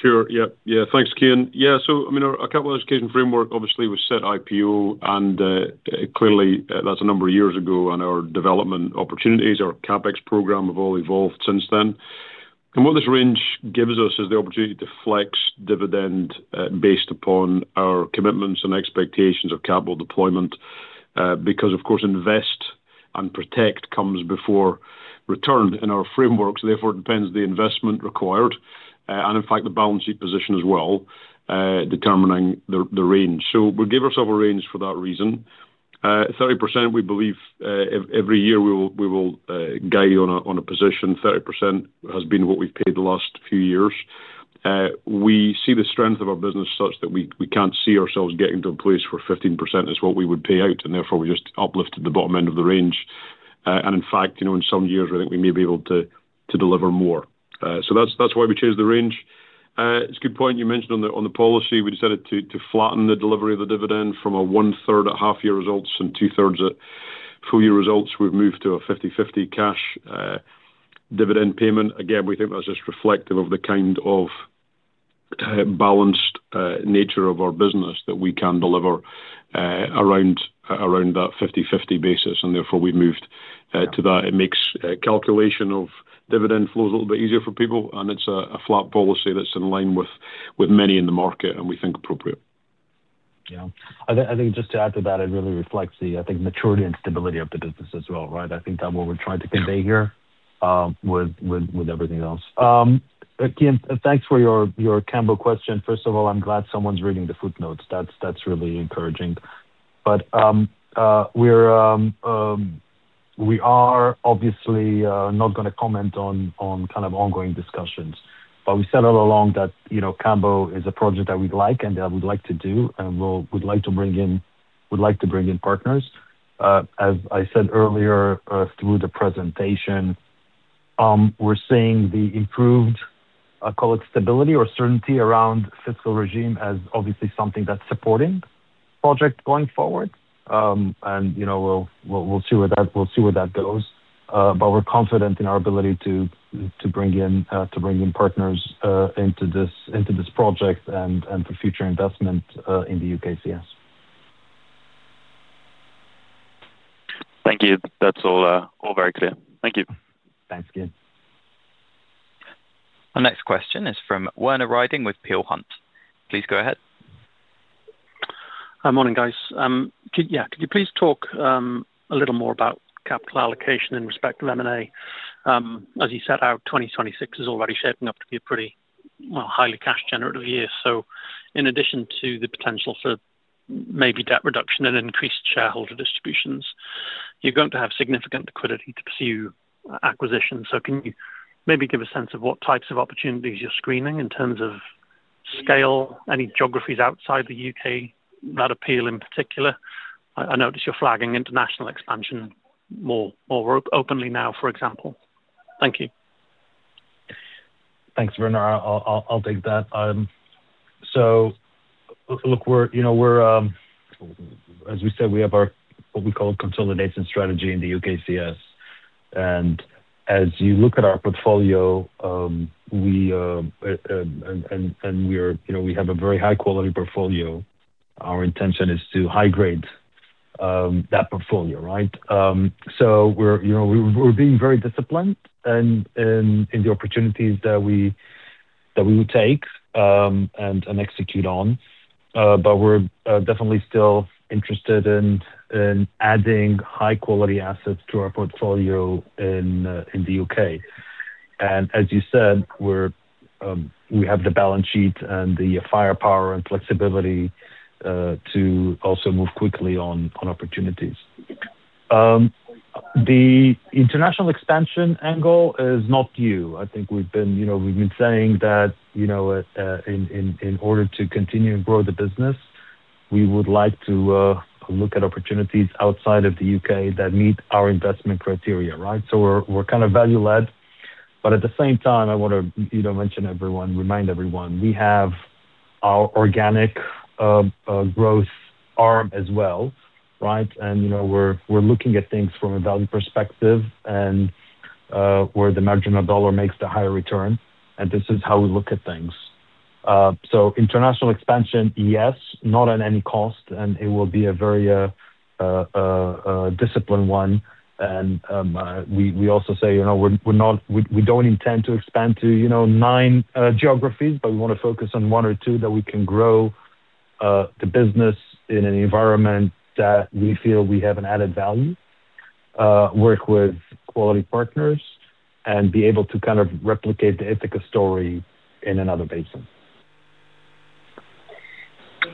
Sure. Yeah. Yeah, thanks, Cian. Yeah. I mean, our capital allocation framework obviously was set IPO and clearly that's a number of years ago, and our development opportunities, our CapEx program have all evolved since then. What this range gives us is the opportunity to flex dividend based upon our commitments and expectations of capital deployment because of course, invest and protect comes before return in our framework, so therefore it depends the investment required and in fact the balance sheet position as well determining the range. We give ourselves a range for that reason. 30% we believe every year we will guide you on a position. 30% has been what we've paid the last few years. We see the strength of our business such that we can't see ourselves getting to a place where 15% is what we would pay out, and therefore we just uplifted the bottom end of the range. In fact, you know, in some years I think we may be able to deliver more. That's why we chose the range. It's a good point you mentioned on the policy. We decided to flatten the delivery of the dividend from a one-third at half year results and two-thirds at full year results. We've moved to a 50/50 cash dividend payment. Again, we think that's just reflective of the kind of balanced nature of our business that we can deliver around that 50/50 basis, and therefore we've moved to that. It makes calculation of dividend flows a little bit easier for people, and it's a flat policy that's in line with many in the market and we think appropriate. Yeah. I think just to add to that, it really reflects the maturity and stability of the business as well, right? I think that what we're trying to convey here with everything else. Again, thanks for your Cambo question. First of all, I'm glad someone's reading the footnotes. That's really encouraging. We're obviously not gonna comment on kind of ongoing discussions. We said all along that, you know, Cambo is a project that we'd like, and that we'd like to do and we'd like to bring in partners. As I said earlier, through the presentation, we're seeing the improved, call it stability or certainty around fiscal regime as obviously something that's supporting project going forward. You know, we'll see where that goes. But we're confident in our ability to bring in partners into this project and for future investment in the UKCS. Thank you. That's all very clear. Thank you. Thanks again. Our next question is from Werner Riding with Peel Hunt. Please go ahead. Morning, guys. Could you please talk a little more about capital allocation in respect to M&A? As you set out, 2026 is already shaping up to be a pretty, well, highly cash generative year. In addition to the potential for maybe debt reduction and increased shareholder distributions, you're going to have significant liquidity to pursue acquisitions. Can you maybe give a sense of what types of opportunities you're screening in terms of scale, any geographies outside the U.K. that appeal in particular? I notice you're flagging international expansion more openly now, for example. Thank you. Thanks, Werner. I'll take that. Look, we're you know, we're as we said, we have our what we call consolidation strategy in the UKCS. As you look at our portfolio, we're you know, we have a very high quality portfolio. Our intention is to high grade that portfolio, right? We're you know, we're being very disciplined and in the opportunities that we would take and execute on. But we're definitely still interested in adding high quality assets to our portfolio in the U.K. As you said, we have the balance sheet and the firepower and flexibility to also move quickly on opportunities. The international expansion angle is not new. I think we've been, you know, saying that, you know, in order to continue to grow the business, we would like to look at opportunities outside of the U.K. that meet our investment criteria, right? We're kind of value led. At the same time, I wanna, you know, remind everyone, we have our organic growth arm as well, right? You know, we're looking at things from a value perspective and where the marginal dollar makes the higher return, and this is how we look at things. International expansion, yes, not at any cost. It will be a very disciplined one. We also say, you know, we're not. We don't intend to expand to, you know, nine geographies, but we wanna focus on one or two that we can grow the business in an environment that we feel we have an added value. Work with quality partners and be able to kind of replicate the Ithaca story in another basin.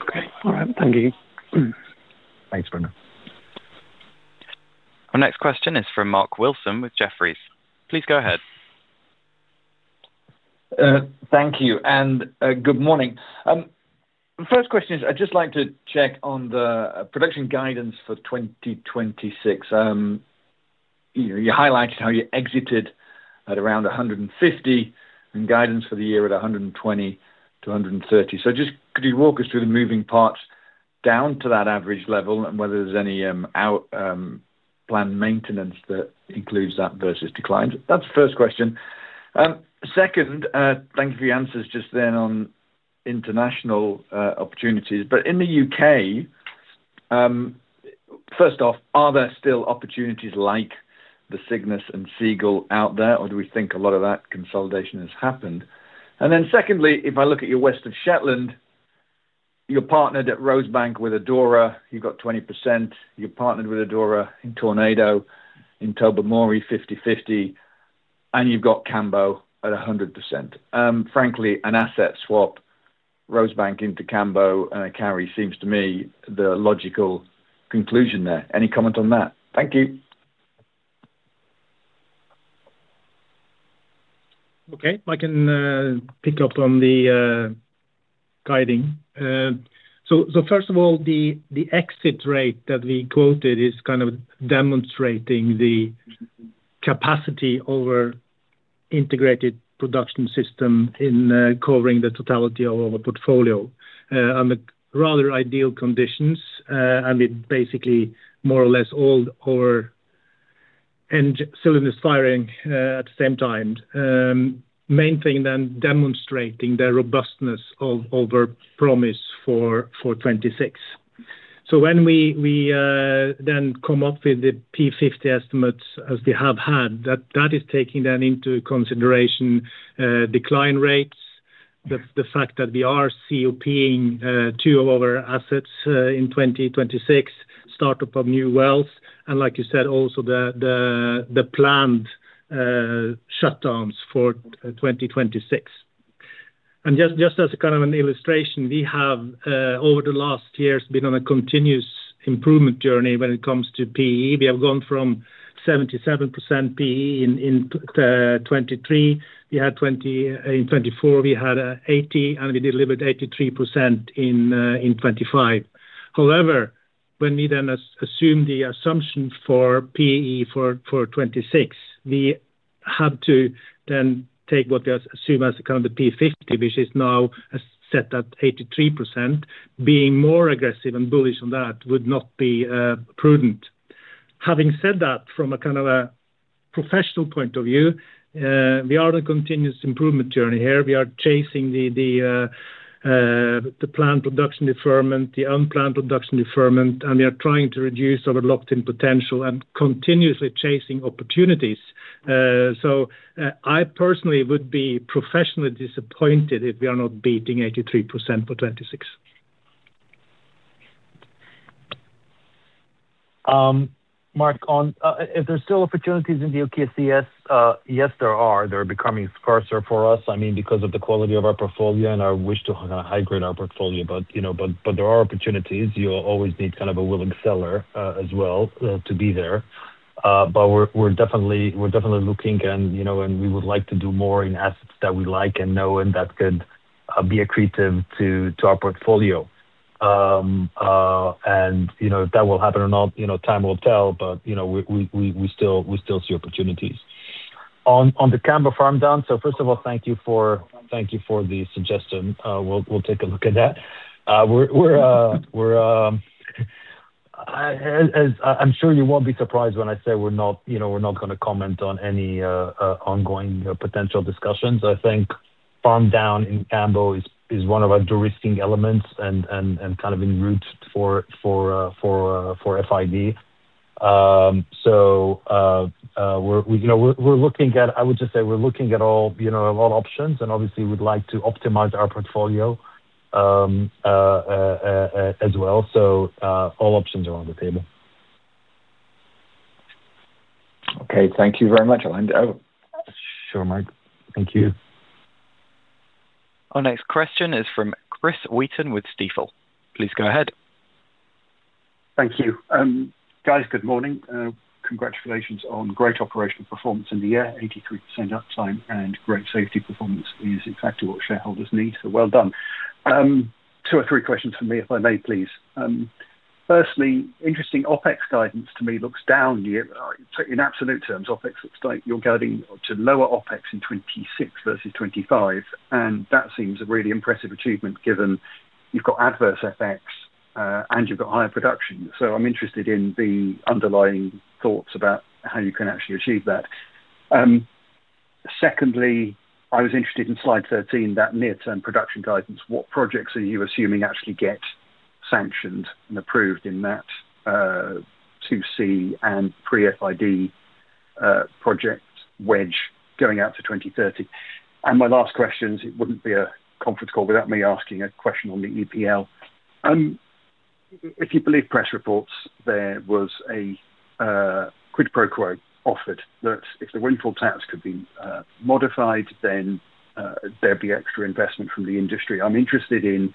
Okay. All right. Thank you. Thanks, Werner. Our next question is from Mark Wilson with Jefferies. Please go ahead. Thank you and good morning. First question is I'd just like to check on the production guidance for 2026. You know, you highlighted how you exited at around 150 and guidance for the year at 120-130. Just could you walk us through the moving parts down to that average level and whether there's any planned maintenance that includes that versus declines? That's the first question. Second, thank you for your answers just then on international opportunities. In the U.K., first off, are there still opportunities like the Cygnus and Seagull out there, or do we think a lot of that consolidation has happened? Then secondly, if I look at your West of Shetland, you're partnered at Rosebank with Equinor, you got 20%. You're partnered with Adura in Tornado, in Tobermory, 50/50, and you've got Cambo at 100%. Frankly, an asset swap Rosebank into Cambo, carry seems to me the logical conclusion there. Any comment on that? Thank you. Okay. I can pick up on the guidance. First of all, the exit rate that we quoted is kind of demonstrating the capacity of our integrated production system in covering the totality of our portfolio under rather ideal conditions, and with basically more or less all our cylinders firing at the same time. Main thing then demonstrating the robustness of our production for 2026. When we then come up with the P50 estimates, as we have had, that is taking into consideration decline rates, the fact that we are COPing two of our assets in 2026, startup of new wells, and like you said, also the planned shutdowns for 2026. Just as kind of an illustration, we have over the last years been on a continuous improvement journey when it comes to PE. We have gone from 77% PE in 2023. In 2024, we had 80%, and we delivered 83% in 2025. However, when we then assume the assumption for PE for 2026, we had to then take what they assume as kind of the P50, which is now set at 83%. Being more aggressive and bullish on that would not be prudent. Having said that, from a kind of a professional point of view, we are on a continuous improvement journey here. We are chasing the planned production deferment, the unplanned production deferment, and we are trying to reduce our locked-in potential and continuously chasing opportunities. I personally would be professionally disappointed if we are not beating 83% for 2026. Mark, on if there's still opportunities in the UKCS, yes, there are. They're becoming scarcer for us, I mean, because of the quality of our portfolio and our wish to high grade our portfolio. You know, there are opportunities. You always need kind of a willing seller, as well, to be there. We're definitely looking and, you know, we would like to do more in assets that we like and know, and that could be accretive to our portfolio. You know, if that will happen or not, you know, time will tell. We still see opportunities. On the Cambo farm down, first of all, thank you for the suggestion. We'll take a look at that. As I'm sure you won't be surprised when I say we're not, you know, we're not gonna comment on any ongoing potential discussions. I think farm down in Cambo is one of our de-risking elements and kind of en route for FID. I would just say we're looking at all, you know, a lot of options and obviously we'd like to optimize our portfolio as well. All options are on the table. Okay. Thank you very much. I'll hand over. Sure, Mark. Thank you. Our next question is from Chris Wheaton with Stifel. Please go ahead. Thank you. Guys, good morning. Congratulations on great operational performance in the year, 83% uptime and great safety performance is exactly what shareholders need. So well done. Two or three questions from me, if I may please. Firstly, interesting OpEx guidance to me looks down year. In absolute terms, OpEx looks like you're guiding to lower OpEx in 2026 versus 2025, and that seems a really impressive achievement given you've got adverse effects, and you've got higher production. So I'm interested in the underlying thoughts about how you can actually achieve that. Secondly, I was interested in slide 13, that near-term production guidance. What projects are you assuming actually get sanctioned and approved in that, 2C and pre-FID, project wedge going out to 2030. My last question, it wouldn't be a conference call without me asking a question on the EPL. If you believe press reports, there was a quid pro quo offered that if the windfall tax could be modified, then there'd be extra investment from the industry. I'm interested in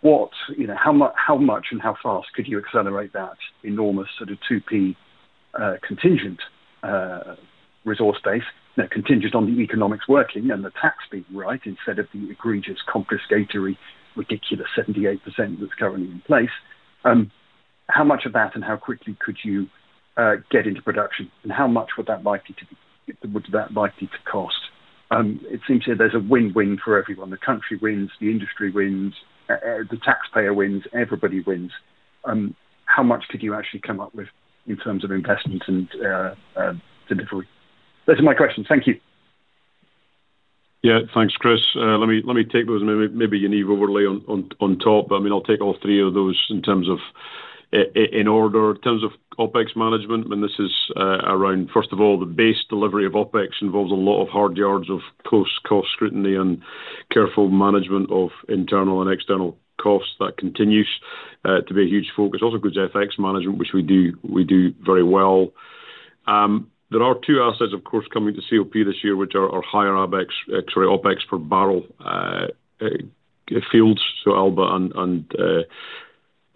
what, you know, how much and how fast could you accelerate that enormous sort of 2P contingent resource base that contingent on the economics working and the tax being right instead of the egregious confiscatory, ridiculous 78% that's currently in place. How much of that and how quickly could you get into production? And how much would that likely cost? It seems there's a win-win for everyone. The country wins, the industry wins, the taxpayer wins, everybody wins. How much could you actually come up with in terms of investment and delivery? Those are my questions. Thank you. Yeah. Thanks, Chris. Let me take those and maybe Yaniv overly on top. I mean, I'll take all three of those in terms of in order. In terms of OpEx management, and this is around first of all the base delivery of OpEx involves a lot of hard yards of post-cost scrutiny and careful management of internal and external costs that continues to be a huge focus. Also good FX management, which we do very well. There are two assets, of course, coming to COP this year, which are higher AbEx, actually OpEx per barrel fields, so Alba and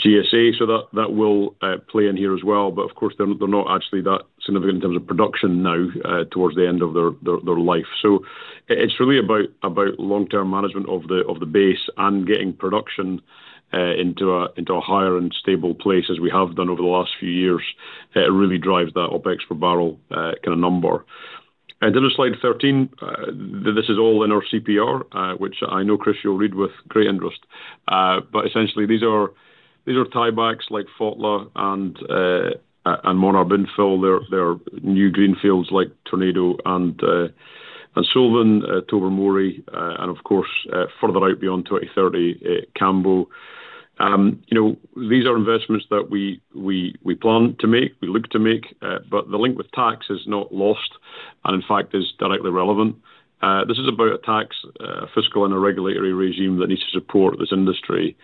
GSA. That will play in here as well. Of course, they're not actually that significant in terms of production now towards the end of their life. It's really about long-term management of the base and getting production into a higher and stable place as we have done over the last few years. It really drives that OpEx per barrel kind of number. To slide 13, this is all in our CPR, which I know, Chris, you'll read with great interest. Essentially these are tie-backs like Fotla and MonArb Infill. They're new greenfields like Tornado and Sullivan, Tobermory, and of course, further out beyond 2030, Cambo. You know, these are investments that we plan to make, we look to make, but the link with tax is not lost, and in fact, is directly relevant. This is about a tax, fiscal and a regulatory regime that needs to support this industry.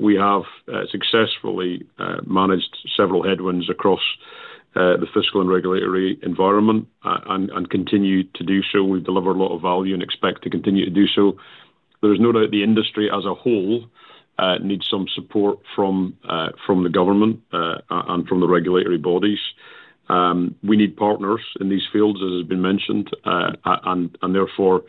We have successfully managed several headwinds across the fiscal and regulatory environment and continue to do so. We've delivered a lot of value and expect to continue to do so. There is no doubt the industry as a whole needs some support from the government and from the regulatory bodies. We need partners in these fields, as has been mentioned, and therefore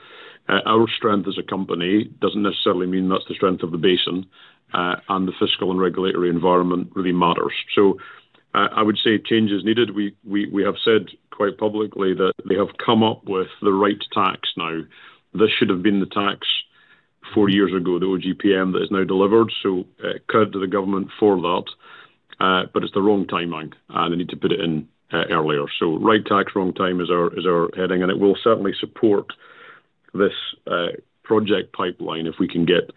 our strength as a company doesn't necessarily mean that's the strength of the basin and the fiscal and regulatory environment really matters. I would say change is needed. We have said quite publicly that they have come up with the right tax now. This should have been the tax four years ago, the OGPM that is now delivered. Credit to the government for that, but it's the wrong timing, and they need to put it in earlier. Right tax, wrong time is our heading, and it will certainly support this project pipeline if we can get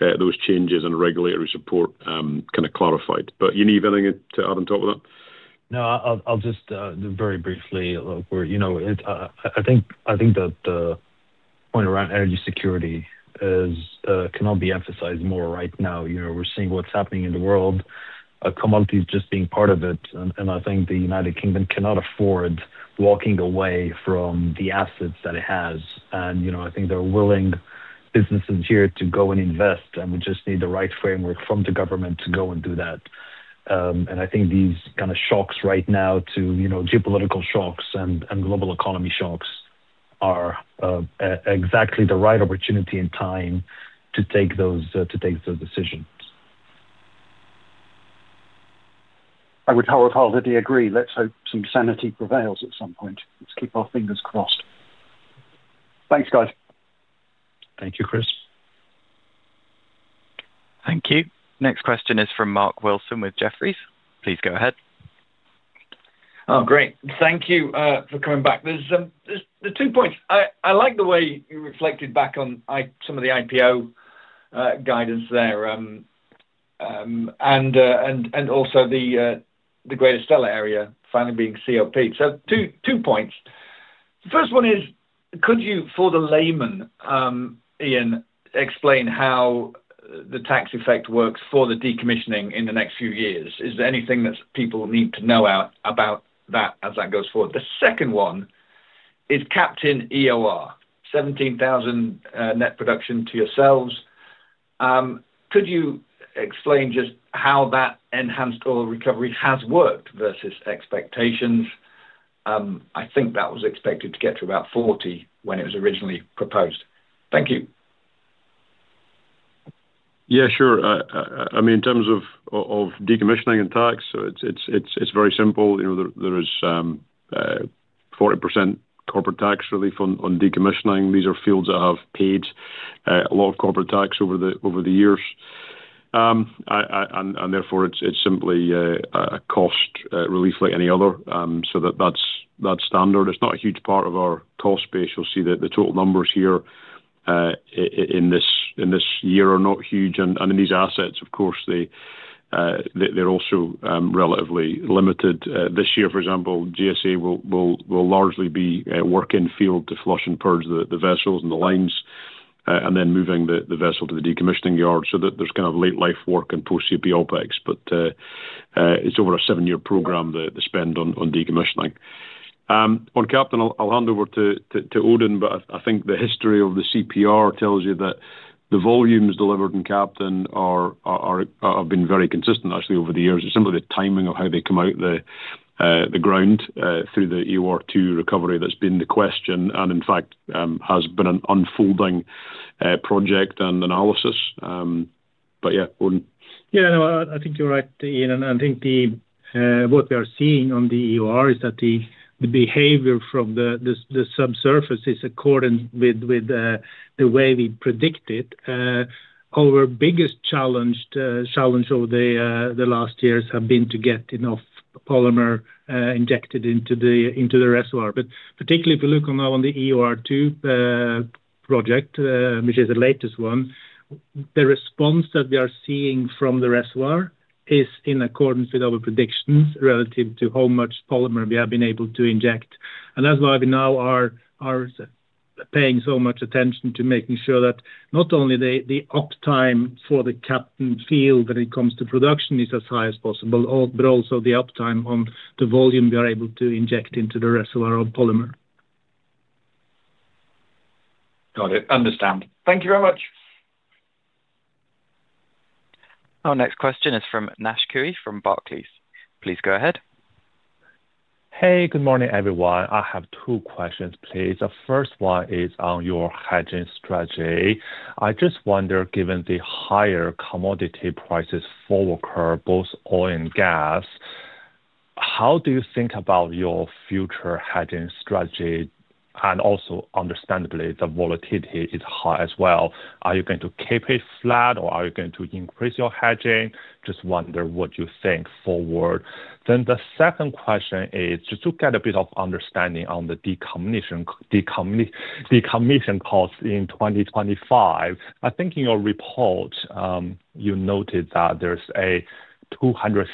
those changes and regulatory support kind of clarified. Yaniv, anything to add on top of that? No, I'll just very briefly, look, you know, I think that the point around energy security cannot be emphasized more right now. You know, we're seeing what's happening in the world, commodity is just being part of it. I think the United Kingdom cannot afford walking away from the assets that it has. You know, I think there are willing businesses here to go and invest, and we just need the right framework from the government to go and do that. I think these kind of shocks right now, you know, geopolitical shocks and global economy shocks are exactly the right opportunity and time to take those decisions. I would wholeheartedly agree. Let's hope some sanity prevails at some point. Let's keep our fingers crossed. Thanks, guys. Thank you, Chris. Thank you. Next question is from Mark Wilson with Jefferies. Please go ahead. Oh, great. Thank you for coming back. There's the two points. I like the way you reflected back on Ithaca's of the IPO guidance there. And also the Greater Stella area finally being COP. Two points. The first one is could you, for the layman, Iain, explain how the tax effect works for the decommissioning in the next few years? Is there anything that people need to know about that as that goes forward? The second one is Captain EOR, 17,000 net production to yourselves. Could you explain just how that enhanced oil recovery has worked versus expectations? I think that was expected to get to about 40 when it was originally proposed. Thank you. Yeah, sure. I mean, in terms of decommissioning and tax, it's very simple. You know, there is 40% corporate tax relief on decommissioning. These are fields that have paid a lot of corporate tax over the years. Therefore, it's simply a cost relief like any other. That's standard. It's not a huge part of our cost base. You'll see that the total numbers here in this year are not huge. In these assets, of course, they're also relatively limited. This year, for example, GSA will largely be work in field to flush and purge the vessels and the lines, and then moving the vessel to the decommissioning yard so that there's kind of late life work and post CP OpEx. It's over a seven-year program, the spend on decommissioning. On Captain I'll hand over to Odin, but I think the history of the CPR tells you that the volumes delivered in Captain have been very consistent actually over the years. It's simply the timing of how they come out the ground through the EUR to recovery that's been the question and in fact has been an unfolding project and analysis. Yeah. Odin. Yeah. No, I think you're right, Iain. I think what we are seeing on the EOR is that the behavior from the subsurface is in accordance with the way we predict it. Our biggest challenge over the last years have been to get enough polymer injected into the reservoir. But particularly if you look on the EOR 2 project, which is the latest one, the response that we are seeing from the reservoir is in accordance with our predictions relative to how much polymer we have been able to inject. That's why we now are paying so much attention to making sure that not only the uptime for the Captain field when it comes to production is as high as possible, but also the uptime on the volume we are able to inject into the reservoir of polymer. Got it. Understand. Thank you very much. Our next question is from Naisheng Cui from Barclays. Please go ahead. Hey, good morning, everyone. I have two questions please. The first one is on your hedging strategy. I just wonder, given the higher commodity prices forward curve, both oil and gas, how do you think about your future hedging strategy? And also understandably, the volatility is high as well. Are you going to keep it flat, or are you going to increase your hedging? Just wonder what you think forward. The second question is just to get a bit of understanding on the decommission cost in 2025. I think in your report, you noted that there's a $266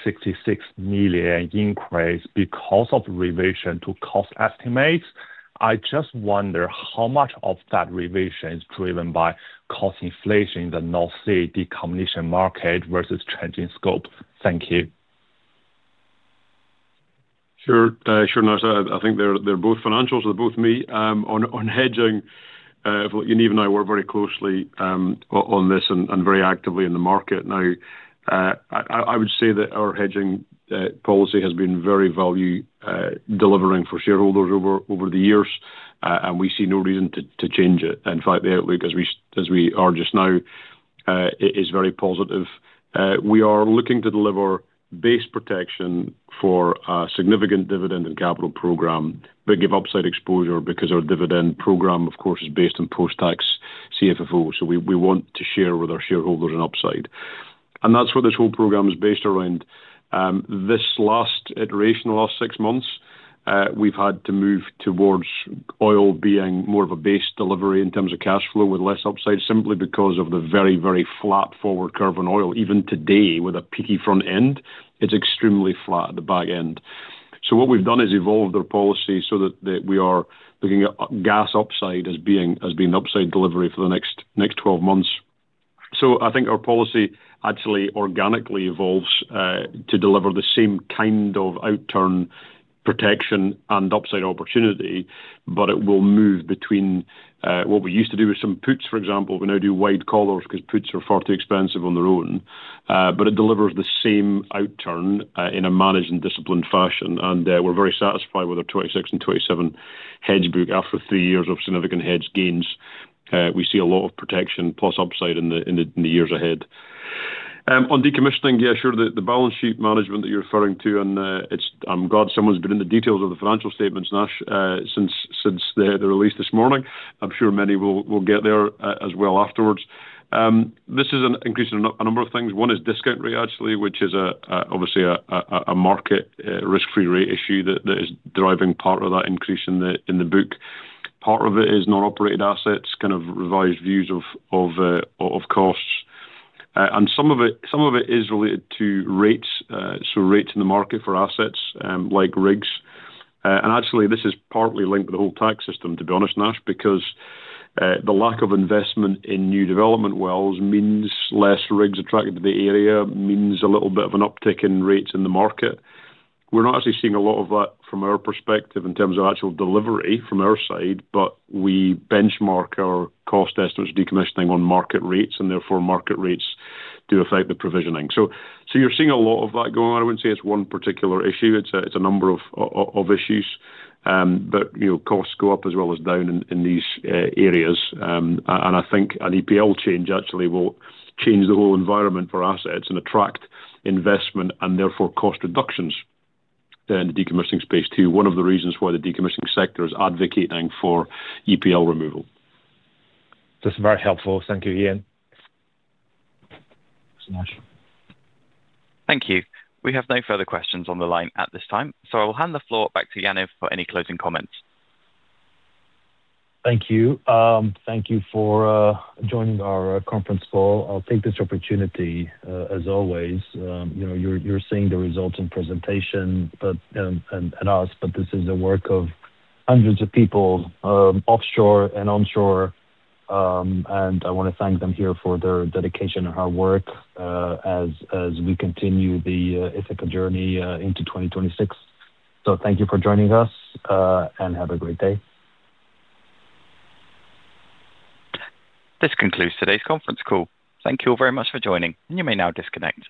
million increase because of revision to cost estimates. I just wonder how much of that revision is driven by cost inflation in the North Sea decommission market versus changing scope. Thank you. Sure, Naisheng Cui. I think they're both financials. They're both metrics. On hedging, Yaniv and I work very closely on this and very actively in the market. Now, I would say that our hedging policy has been very value delivering for shareholders over the years, and we see no reason to change it. In fact, the outlook as we are just now is very positive. We are looking to deliver base protection for a significant dividend and capital program, but give upside exposure because our dividend program, of course, is based on post-tax CFFO. We want to share with our shareholders an upside. That's what this whole program is based around. This last iteration, the last six months, we've had to move towards oil being more of a base delivery in terms of cash flow with less upside simply because of the very, very flat forward curve on oil. Even today with a peaky front end, it's extremely flat at the back end. What we've done is evolved our policy so that we are looking at gas upside as being upside delivery for the next 12 months. I think our policy actually organically evolves to deliver the same kind of outturn protection and upside opportunity, but it will move between what we used to do with some puts for example. We now do wide collars 'cause puts are far too expensive on their own. It delivers the same outturn in a managed and disciplined fashion. We're very satisfied with our 26 and 27 hedge book after three years of significant hedge gains. We see a lot of protection plus upside in the years ahead. On decommissioning, yeah, sure. The balance sheet management that you're referring to. I'm glad someone's been in the details of the financial statements, Nash, since the release this morning. I'm sure many will get there as well afterwards. This is an increase in a number of things. One is discount rate, actually, which is obviously a market risk-free rate issue that is driving part of that increase in the book. Part of it is non-operated assets, kind of revised views of costs. Some of it is related to rates, so rates in the market for assets, like rigs. Actually this is partly linked to the whole tax system, to be honest, Nash, because the lack of investment in new development wells means less rigs attracted to the area, means a little bit of an uptick in rates in the market. We're not actually seeing a lot of that from our perspective in terms of actual delivery from our side, but we benchmark our cost estimates decommissioning on market rates, and therefore market rates do affect the provisioning. You're seeing a lot of that going on. I wouldn't say it's one particular issue. It's a number of issues. You know, costs go up as well as down in these areas. I think an EPL change actually will change the whole environment for assets and attract investment, and therefore cost reductions in the decommissioning space too. One of the reasons why the decommissioning sector is advocating for EPL removal. That's very helpful. Thank you, Iain. Thanks, Nash. Thank you. We have no further questions on the line at this time, so I will hand the floor back to Yaniv for any closing comments. Thank you. Thank you for joining our conference call. I'll take this opportunity, as always, you know, you're seeing the results and presentation, but this is the work of hundreds of people, offshore and onshore, and I wanna thank them here for their dedication and hard work, as we continue the Ithaca journey into 2026. Thank you for joining us, and have a great day. This concludes today's conference call. Thank you all very much for joining, and you may now disconnect.